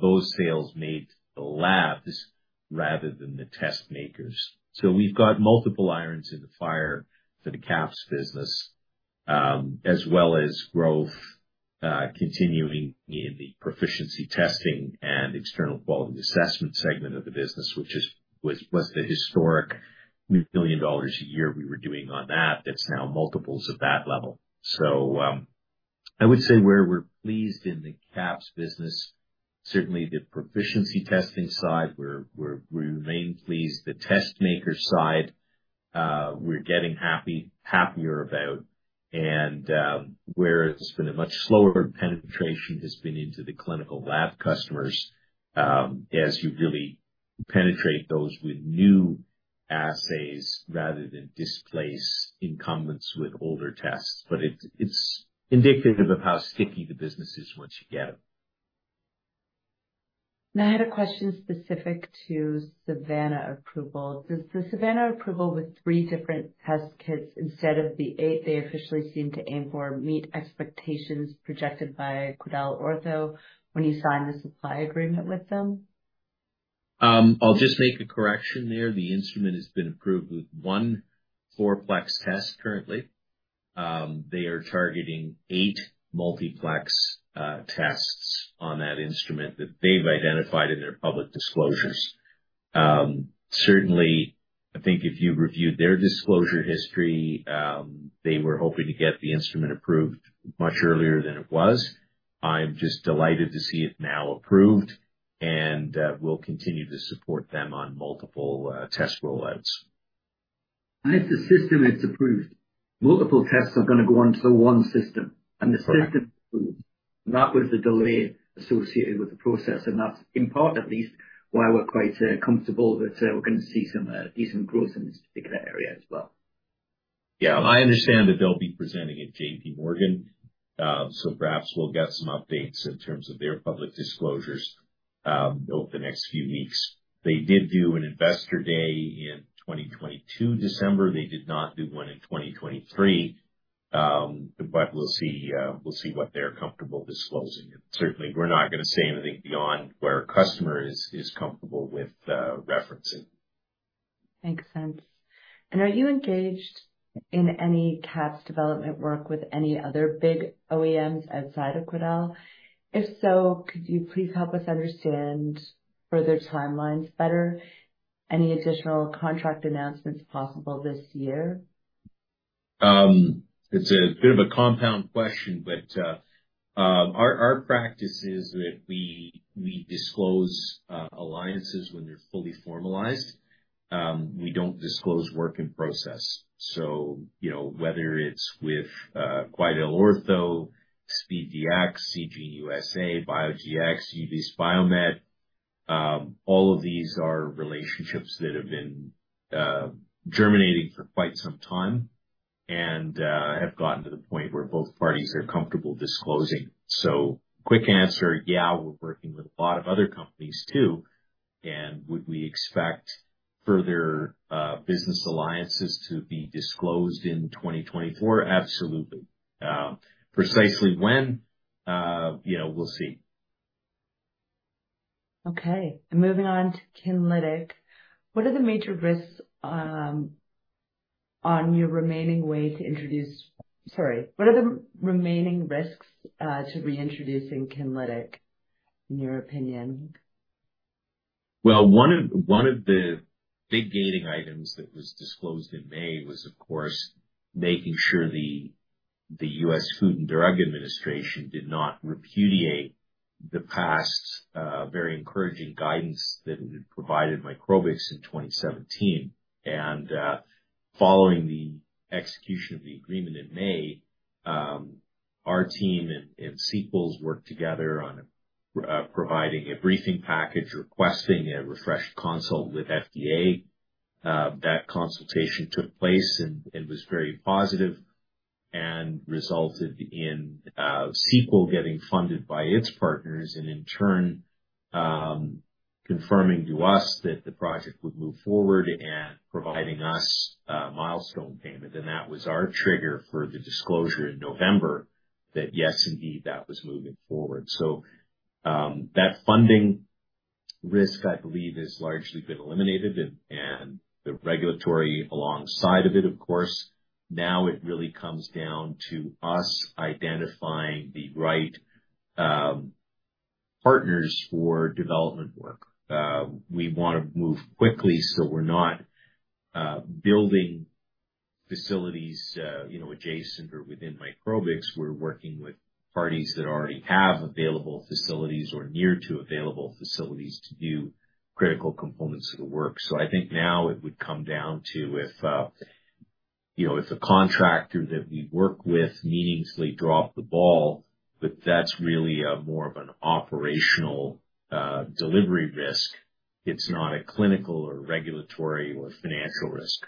those sales made to the labs rather than the test makers. So we've got multiple irons in the fire for the QAPs business, as well as growth continuing in the proficiency testing and external quality assessment segment of the business, which was the historic 1 million dollars a year we were doing on that. That's now multiples of that level. So, I would say we're pleased in the QAPs business. Certainly, the proficiency testing side, we remain pleased. The test maker side, we're getting happier about, and where it's been a much slower penetration has been into the clinical lab customers, as you really penetrate those with new assays rather than displace incumbents with older tests. But it's indicative of how sticky the business is once you get them. I had a question specific to Savanna approval. Does the Savanna approval with three different test kits instead of the eight they officially seemed to aim for, meet expectations projected by QuidelOrtho when you signed the supply agreement with them? I'll just make a correction there. The instrument has been approved with one 4-plex test currently. They are targeting eight multiplex tests on that instrument that they've identified in their public disclosures. Certainly, I think if you've reviewed their disclosure history, they were hoping to get the instrument approved much earlier than it was. I'm just delighted to see it now approved, and we'll continue to support them on multiple test rollouts. If the system is approved, multiple tests are going to go onto the one system, and the system- Correct. That was the delay associated with the process, and that's, in part, at least, why we're quite comfortable that we're going to see some decent growth in this particular area as well. Yeah. I understand that they'll be presenting at JPMorgan. So perhaps we'll get some updates in terms of their public disclosures, over the next few weeks. They did do an investor day in 2022, December. They did not do one in 2023. But we'll see, we'll see what they're comfortable disclosing. Certainly, we're not going to say anything beyond where a customer is comfortable with, referencing. Makes sense. Are you engaged in any custom development work with any other big OEMs outside of Quidel? If so, could you please help us understand further timelines better? Any additional contract announcements possible this year? It's a bit of a compound question, but our practice is that we disclose alliances when they're fully formalized. We don't disclose work in process. So, you know, whether it's with QuidelOrtho, SpeeDx, Seegene USA, BioGX, Ulisse Biomed, all of these are relationships that have been germinating for quite some time and have gotten to the point where both parties are comfortable disclosing. So quick answer, yeah, we're working with a lot of other companies too. And would we expect further business alliances to be disclosed in 2024? Absolutely. Precisely when? You know, we'll see. Okay. Moving on to Kinlytic. What are the major risks? Sorry, what are the remaining risks to reintroducing Kinlytic, in your opinion? Well, one of the big gating items that was disclosed in May was, of course, making sure the U.S. Food and Drug Administration did not repudiate the past very encouraging guidance that it had provided Microbix in 2017. And, following the execution of the agreement in May, our team and Sequel's worked together on providing a briefing package, requesting a refreshed consult with FDA. That consultation took place and was very positive and resulted in Sequel getting funded by its partners, and in turn, confirming to us that the project would move forward and providing us a milestone payment. And that was our trigger for the disclosure in November, that yes, indeed, that was moving forward. So, that funding risk, I believe, has largely been eliminated and the regulatory alongside of it, of course. Now it really comes down to us identifying the right, partners for development work. We want to move quickly, so we're not building facilities, you know, adjacent or within Microbix. We're working with parties that already have available facilities or near to available facilities to do critical components of the work. So I think now it would come down to if, you know, if the contractor that we work with meaningfully drop the ball, but that's really more of an operational delivery risk. It's not a clinical or regulatory or financial risk.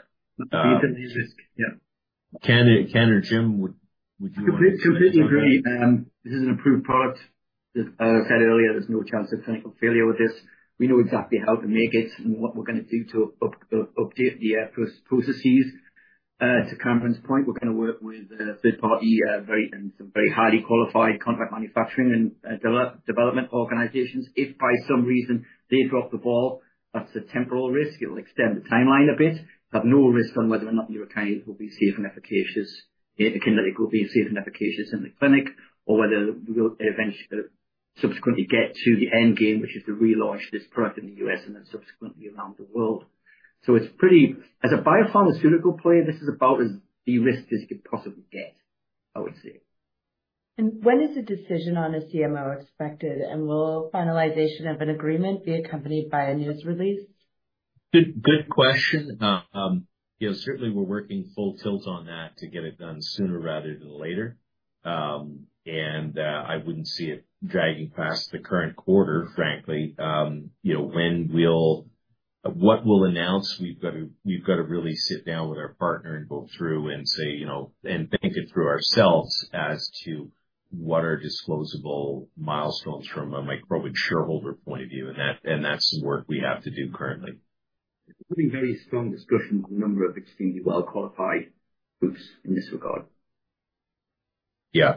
Yeah. Ken or Jim, would you- Completely agree. This is an approved product. As I said earlier, there's no chance of clinical failure with this. We know exactly how to make it and what we're going to do to update the processes. To Cameron's point, we're going to work with a third party and some very highly qualified contract manufacturing and development organizations. If by some reason they drop the ball, that's a temporal risk, it will extend the timeline a bit, but no risk on whether or not the retainers will be safe and efficacious, Kinlytic will be safe and efficacious in the clinic, or whether we will eventually, subsequently get to the end game, which is to relaunch this product in the U.S. and then subsequently around the world. So it's pretty... As a biopharmaceutical player, this is about as de-risked as it could possibly get, I would say. When is the decision on a CMO expected? And will finalization of an agreement be accompanied by a news release?... Good, good question. You know, certainly we're working full tilt on that to get it done sooner rather than later. I wouldn't see it dragging past the current quarter, frankly. You know, when we'll-- what we'll announce, we've got to, we've got to really sit down with our partner and go through and say, you know, and think it through ourselves as to what are disclosable milestones from a Microbix shareholder point of view, and that, and that's some work we have to do currently. We're in very strong discussions with a number of extremely well-qualified groups in this regard. Yeah.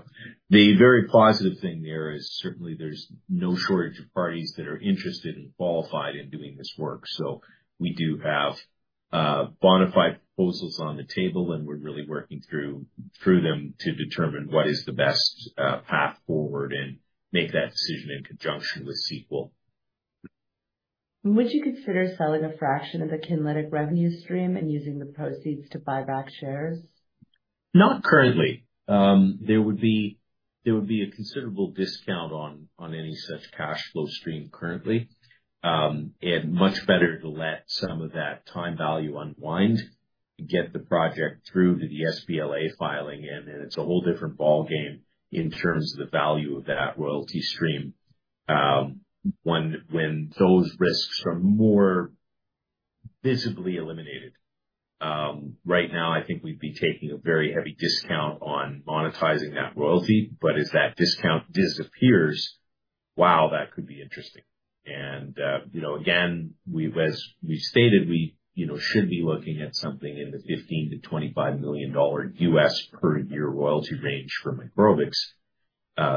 The very positive thing there is certainly there's no shortage of parties that are interested and qualified in doing this work. So we do have bona fide proposals on the table, and we're really working through them to determine what is the best path forward and make that decision in conjunction with Sequel. Would you consider selling a fraction of the Kinlytic revenue stream and using the proceeds to buy back shares? Not currently. There would be a considerable discount on any such cash flow stream currently. And much better to let some of that time value unwind, get the project through to the sBLA filing, and then it's a whole different ballgame in terms of the value of that royalty stream, when those risks are more visibly eliminated. Right now, I think we'd be taking a very heavy discount on monetizing that royalty, but as that discount disappears, wow, that could be interesting. And, you know, again, as we stated, you know, should be looking at something in the $15 million-$25 million per year royalty range for Microbix,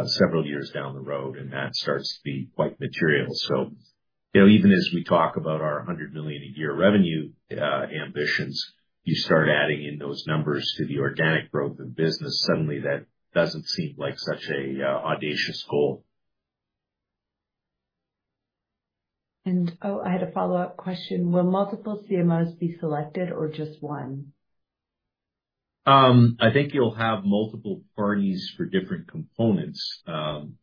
several years down the road, and that starts to be quite material. You know, even as we talk about our 100 million a year revenue ambitions, you start adding in those numbers to the organic growth of business, suddenly that doesn't seem like such a audacious goal. Oh, I had a follow-up question. Will multiple CMOs be selected or just one? I think you'll have multiple parties for different components.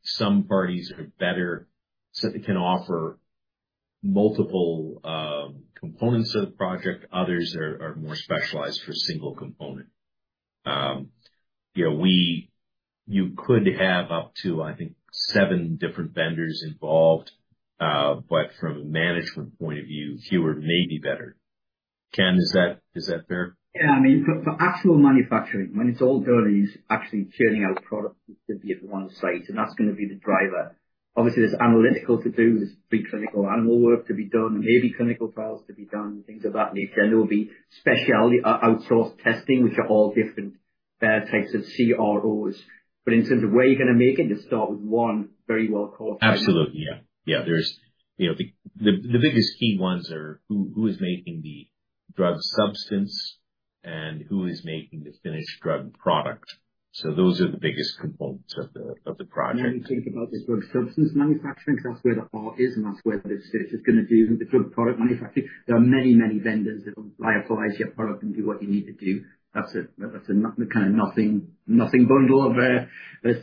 Some parties are better, so they can offer multiple components of the project. Others are more specialized for single component. You know, we could have up to, I think, seven different vendors involved, but from a management point of view, fewer may be better. Ken, is that fair? Yeah. I mean, for actual manufacturing, when it's all done, is actually churning out product to be at one site, and that's going to be the driver. Obviously, there's analytical to do. There's pre-clinical animal work to be done, maybe clinical trials to be done, things of that nature. And there will be specialty outsourced testing, which are all different types of CROs. But in terms of where you're going to make it, you start with one very well-qualified- Absolutely. Yeah. Yeah, there's you know, the biggest key ones are who is making the drug substance and who is making the finished drug product. So those are the biggest components of the project. When you think about the drug substance manufacturing, because that's where the heart is, and that's where the research is going to do. The drug product manufacturing, there are many, many vendors that will lyophilize your product and do what you need to do. That's a kind of nothing, nothing bundle of You're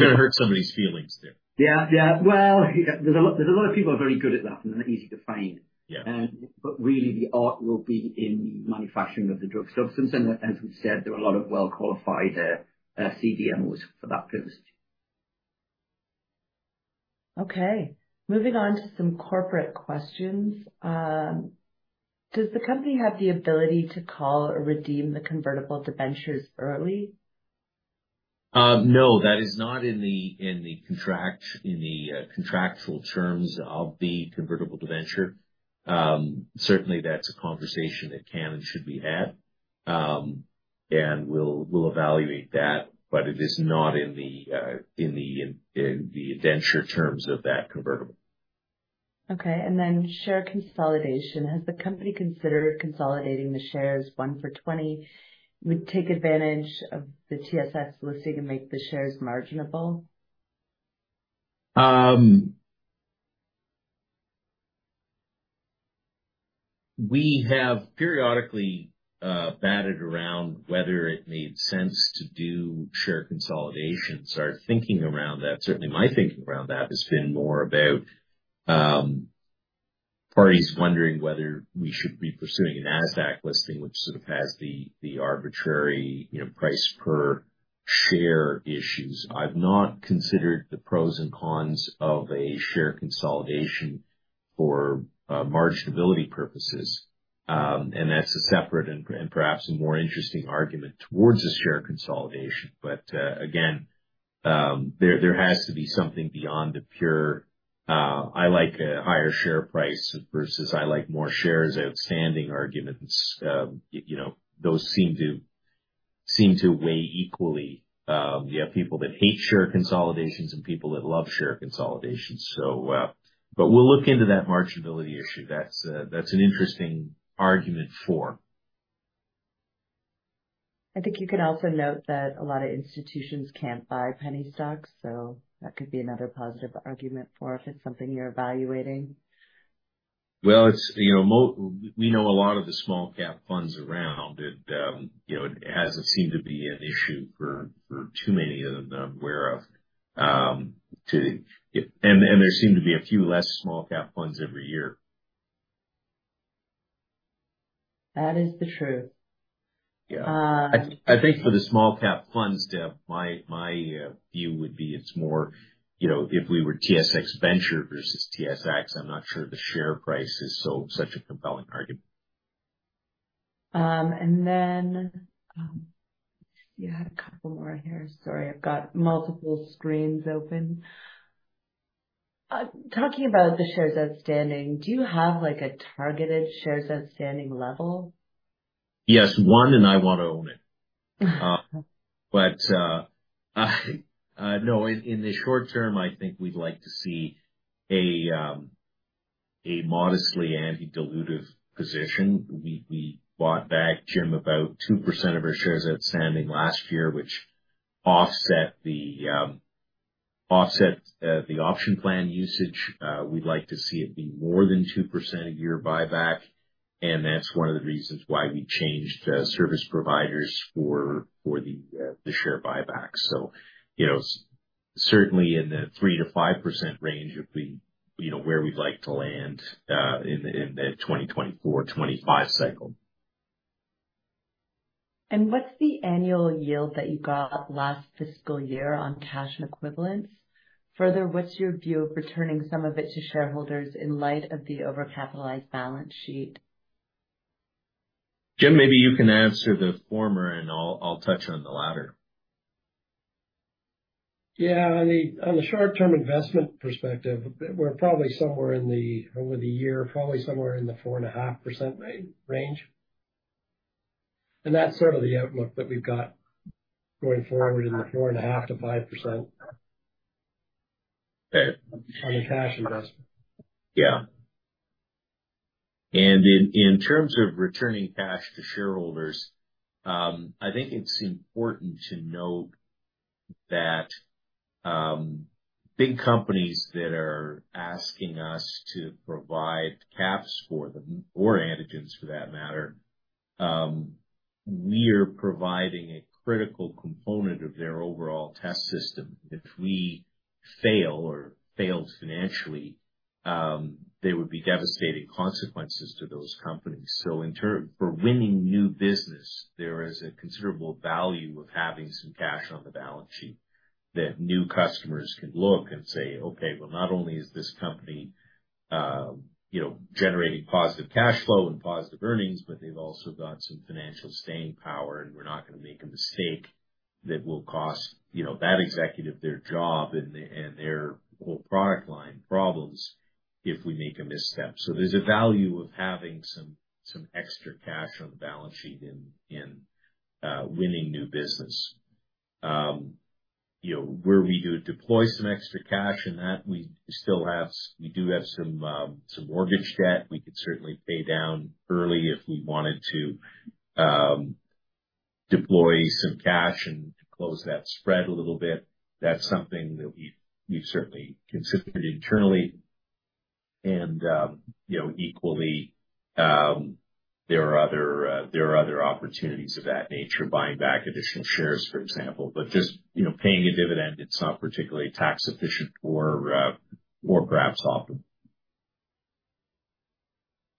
going to hurt somebody's feelings there. Yeah, yeah. Well, there's a lot, there's a lot of people who are very good at that, and they're easy to find. Yeah. But really, the art will be in manufacturing of the drug substance. As we've said, there are a lot of well-qualified CDMOs for that business. Okay, moving on to some corporate questions. Does the company have the ability to call or redeem the convertible debentures early? No, that is not in the contract, in the contractual terms of the convertible debenture. Certainly that's a conversation that can and should be had. And we'll evaluate that, but it is not in the debenture terms of that convertible. Okay. And then share consolidation. Has the company considered consolidating the shares 1-for-20, would take advantage of the TSX listing and make the shares marginable? We have periodically batted around whether it made sense to do share consolidation. So our thinking around that, certainly my thinking around that, has been more about parties wondering whether we should be pursuing a NASDAQ listing, which sort of has the arbitrary, you know, price per share issues. I've not considered the pros and cons of a share consolidation for marginability purposes. And that's a separate and perhaps a more interesting argument towards the share consolidation. But again, there has to be something beyond the pure I like a higher share price versus I like more shares outstanding arguments. You know, those seem to weigh equally. You have people that hate share consolidations and people that love share consolidations. So, but we'll look into that marginability issue. That's an interesting argument for. I think you could also note that a lot of institutions can't buy penny stocks, so that could be another positive argument for if it's something you're evaluating. Well, it's, you know, we know a lot of the small-cap funds around it. You know, it hasn't seemed to be an issue for too many of them that I'm aware of... and there seem to be a few less small-cap funds every year. That is the truth. Yeah. I think for the small cap funds, Deb, my view would be it's more, you know, if we were TSX Venture versus TSX, I'm not sure the share price is so such a compelling argument. And then, yeah, a couple more here. Sorry, I've got multiple screens open. Talking about the shares outstanding, do you have, like, a targeted shares outstanding level? Yes, one, and I want to own it. But no, in the short term, I think we'd like to see a modestly anti-dilutive position. We bought back, Jim, about 2% of our shares outstanding last year, which offset the option plan usage. We'd like to see it be more than 2% a year buyback, and that's one of the reasons why we changed service providers for the share buyback. So, you know, certainly in the 3%-5% range would be, you know, where we'd like to land in the 2024-2025 cycle. What's the annual yield that you got last fiscal year on cash and equivalents? Further, what's your view of returning some of it to shareholders in light of the overcapitalized balance sheet? Jim, maybe you can answer the former, and I'll, I'll touch on the latter. Yeah. On the short-term investment perspective, we're probably somewhere in the over the year 4.5% range. And that's sort of the outlook that we've got going forward in the 4.5%-5%. On the cash investment. Yeah. And in terms of returning cash to shareholders, I think it's important to note that, big companies that are asking us to provide QAPs for them, or antigens for that matter, we are providing a critical component of their overall test system. If we fail or fail financially, there would be devastating consequences to those companies. So in turn, for winning new business, there is a considerable value of having some cash on the balance sheet that new customers can look and say, "Okay, well, not only is this company, you know, generating positive cash flow and positive earnings, but they've also got some financial staying power, and we're not going to make a mistake that will cost, you know, that executive their job and, and their whole product line problems if we make a misstep." So there's a value of having some extra cash on the balance sheet in winning new business. You know, where we do deploy some extra cash in that, we still have, we do have some mortgage debt we could certainly pay down early if we wanted to, deploy some cash and close that spread a little bit. That's something that we've certainly considered internally. And, you know, equally, there are other opportunities of that nature, buying back additional shares, for example. But just, you know, paying a dividend, it's not particularly tax efficient or, or perhaps often.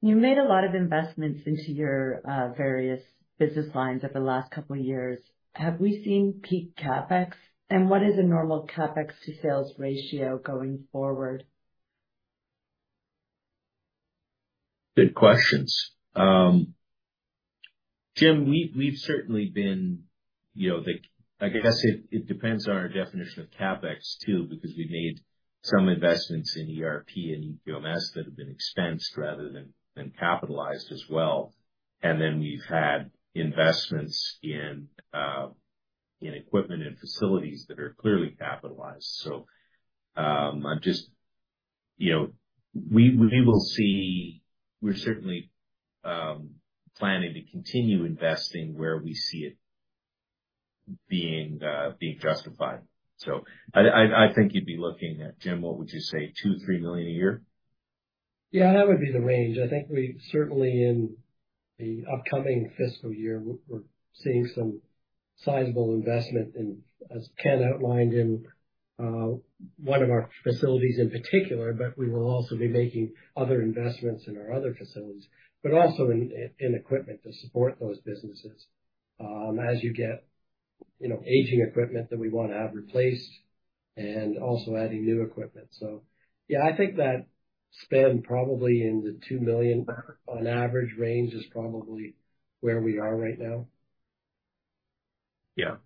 You made a lot of investments into your, various business lines over the last couple of years. Have we seen peak CapEx, and what is a normal CapEx to sales ratio going forward? Good questions. Jim, we've certainly been, you know, I guess it depends on our definition of CapEx, too, because we made some investments in ERP and eQMS that have been expensed rather than capitalized as well. And then we've had investments in equipment and facilities that are clearly capitalized. So, I'm just, you know, we will see, we're certainly planning to continue investing where we see it being justified. So I think you'd be looking at, Jim, what would you say, 2 million-3 million a year? Yeah, that would be the range. I think we certainly in the upcoming fiscal year, we're seeing some sizable investment in, as Ken outlined, in, one of our facilities in particular, but we will also be making other investments in our other facilities, but also in equipment to support those businesses. As you get, you know, aging equipment that we want to have replaced and also adding new equipment. So yeah, I think that spend probably in the 2 million on average range is probably where we are right now. Yeah.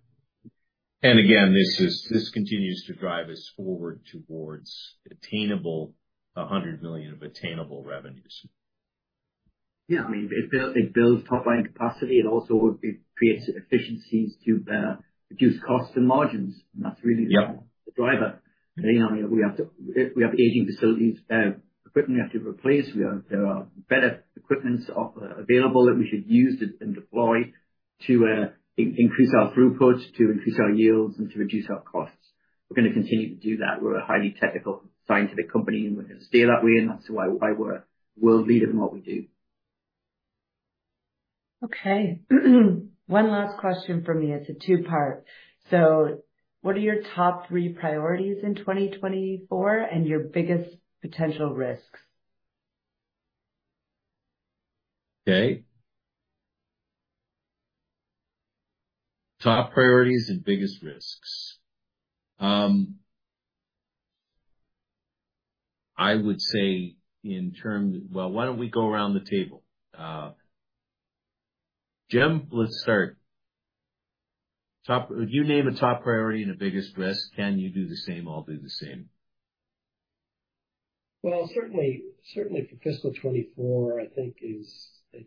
And again, this is, this continues to drive us forward towards attainable 100 million of attainable revenues. Yeah. I mean, it builds, it builds top-line capacity. It also creates efficiencies to reduce costs and margins. That's really- Yep. -the driver. You know, we have to, we have aging facilities, equipment we have to replace. We have, there are better equipment off, available that we should use and, and deploy to, increase our throughput, to increase our yields, and to reduce our costs. We're going to continue to do that. We're a highly technical, scientific company, and we're going to stay that way, and that's why, why we're a world leader in what we do. ... Okay. One last question from me. It's a two-part. So what are your top three priorities in 2024 and your biggest potential risks? Okay. Top priorities and biggest risks. Well, why don't we go around the table? Jim, let's start. Top, would you name a top priority and the biggest risk? Ken, you do the same. I'll do the same. Well, certainly, certainly for fiscal 2024, I think is a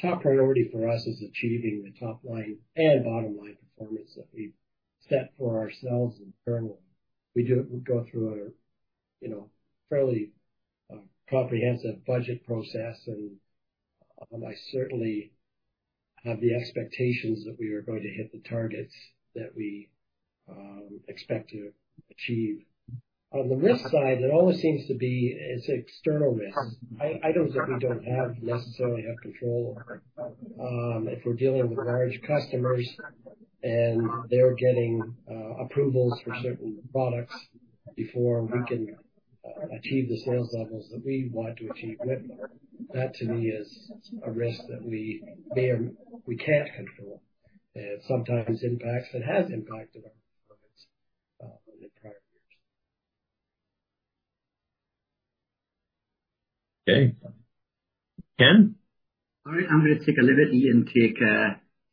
top priority for us is achieving the top line and bottom line performance that we've set for ourselves internally. We do it. We go through a, you know, fairly, comprehensive budget process, and, I certainly have the expectations that we are going to hit the targets that we, expect to achieve. On the risk side, it always seems to be it's external risks. I, I don't think we don't have, necessarily have control over. If we're dealing with large customers and they're getting, approvals for certain products before we can, achieve the sales levels that we want to achieve, that to me, is a risk that we, they are, we can't control. And sometimes impacts and has impacted our profits, in the prior years. Okay. Ken? All right. I'm going to take a liberty and take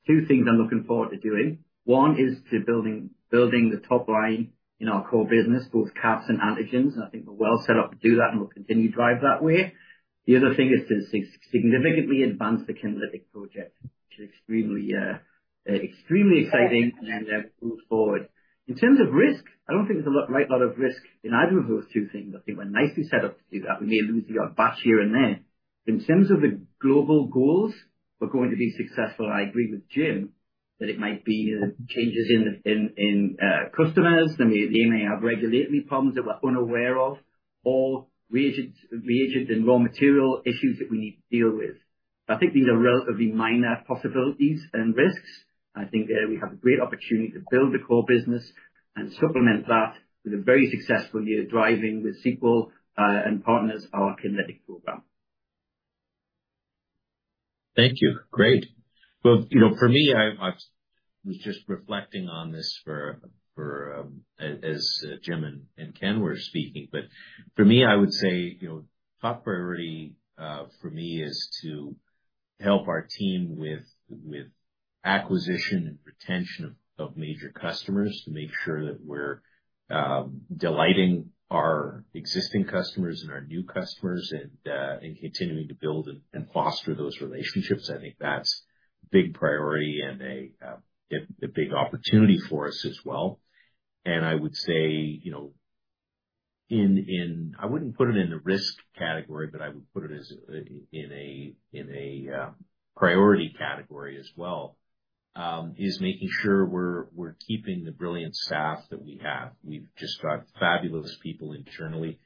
two things I'm looking forward to doing. One is to building the top line in our COR business, both QAPs and antigens. I think we're well set up to do that, and we'll continue to drive that way. The other thing is to significantly advance the Kinlytic project, which is extremely exciting and move forward. In terms of risk, I don't think there's a lot, great lot of risk in either of those two things. I think we're nicely set up to do that. We may lose the odd batch here and there. In terms of the global goals, we're going to be successful, and I agree with Jim, that it might be changes in customers. They may, they may have regulatory problems that we're unaware of or reagents, reagents and raw material issues that we need to deal with. I think these are relatively minor possibilities and risks. I think we have a great opportunity to build the COR business and supplement that with a very successful year driving with Sequel and partners, our Kinlytic program. Thank you. Great! Well, you know, for me, I was just reflecting on this for as Jim and Ken were speaking, but for me, I would say, you know, top priority for me is to help our team with acquisition and retention of major customers, to make sure that we're delighting our existing customers and our new customers and continuing to build and foster those relationships. I think that's a big priority and a big opportunity for us as well. And I would say, you know, I wouldn't put it in the risk category, but I would put it as a priority category as well, is making sure we're keeping the brilliant staff that we have. We've just got fabulous people internally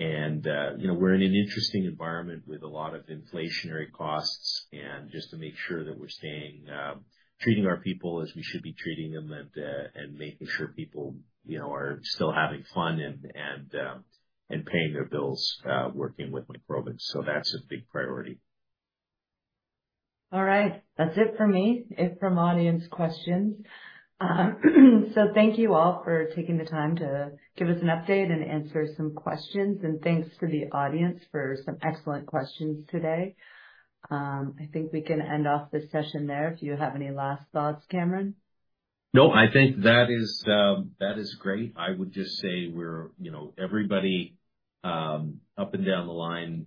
and, you know, we're in an interesting environment with a lot of inflationary costs and just to make sure that we're staying, treating our people as we should be treating them and, and making sure people, you know, are still having fun and, and, and paying their bills, working with Microbix. So that's a big priority. All right. That's it for me from audience questions. So thank you all for taking the time to give us an update and answer some questions. And thanks to the audience for some excellent questions today. I think we can end off the session there. Do you have any last thoughts, Cameron? No, I think that is, that is great. I would just say we're, you know, everybody, up and down the line,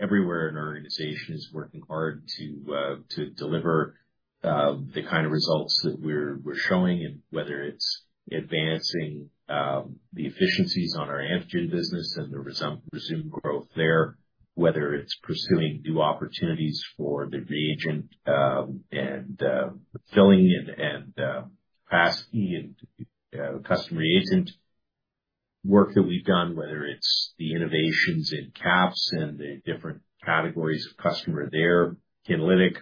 everywhere in our organization is working hard to, to deliver, the kind of results that we're, we're showing. And whether it's advancing, the efficiencies on our antigen business and the resumed growth there, whether it's pursuing new opportunities for the reagent, and, filling and packaging and custom reagent work that we've done. Whether it's the innovations in QAPs and the different categories of customer there, Kinlytic,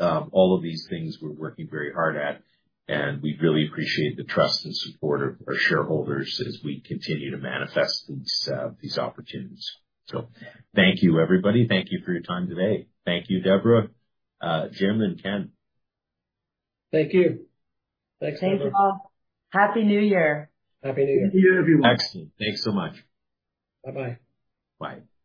all of these things we're working very hard at, and we really appreciate the trust and support of our shareholders as we continue to manifest these, these opportunities. So thank you, everybody. Thank you for your time today. Thank you, Deborah, Jim and Ken. Thank you. Thanks. Thanks, all. Happy New Year! Happy New Year. Happy New Year, everyone. Excellent. Thanks so much. Bye-bye. Bye.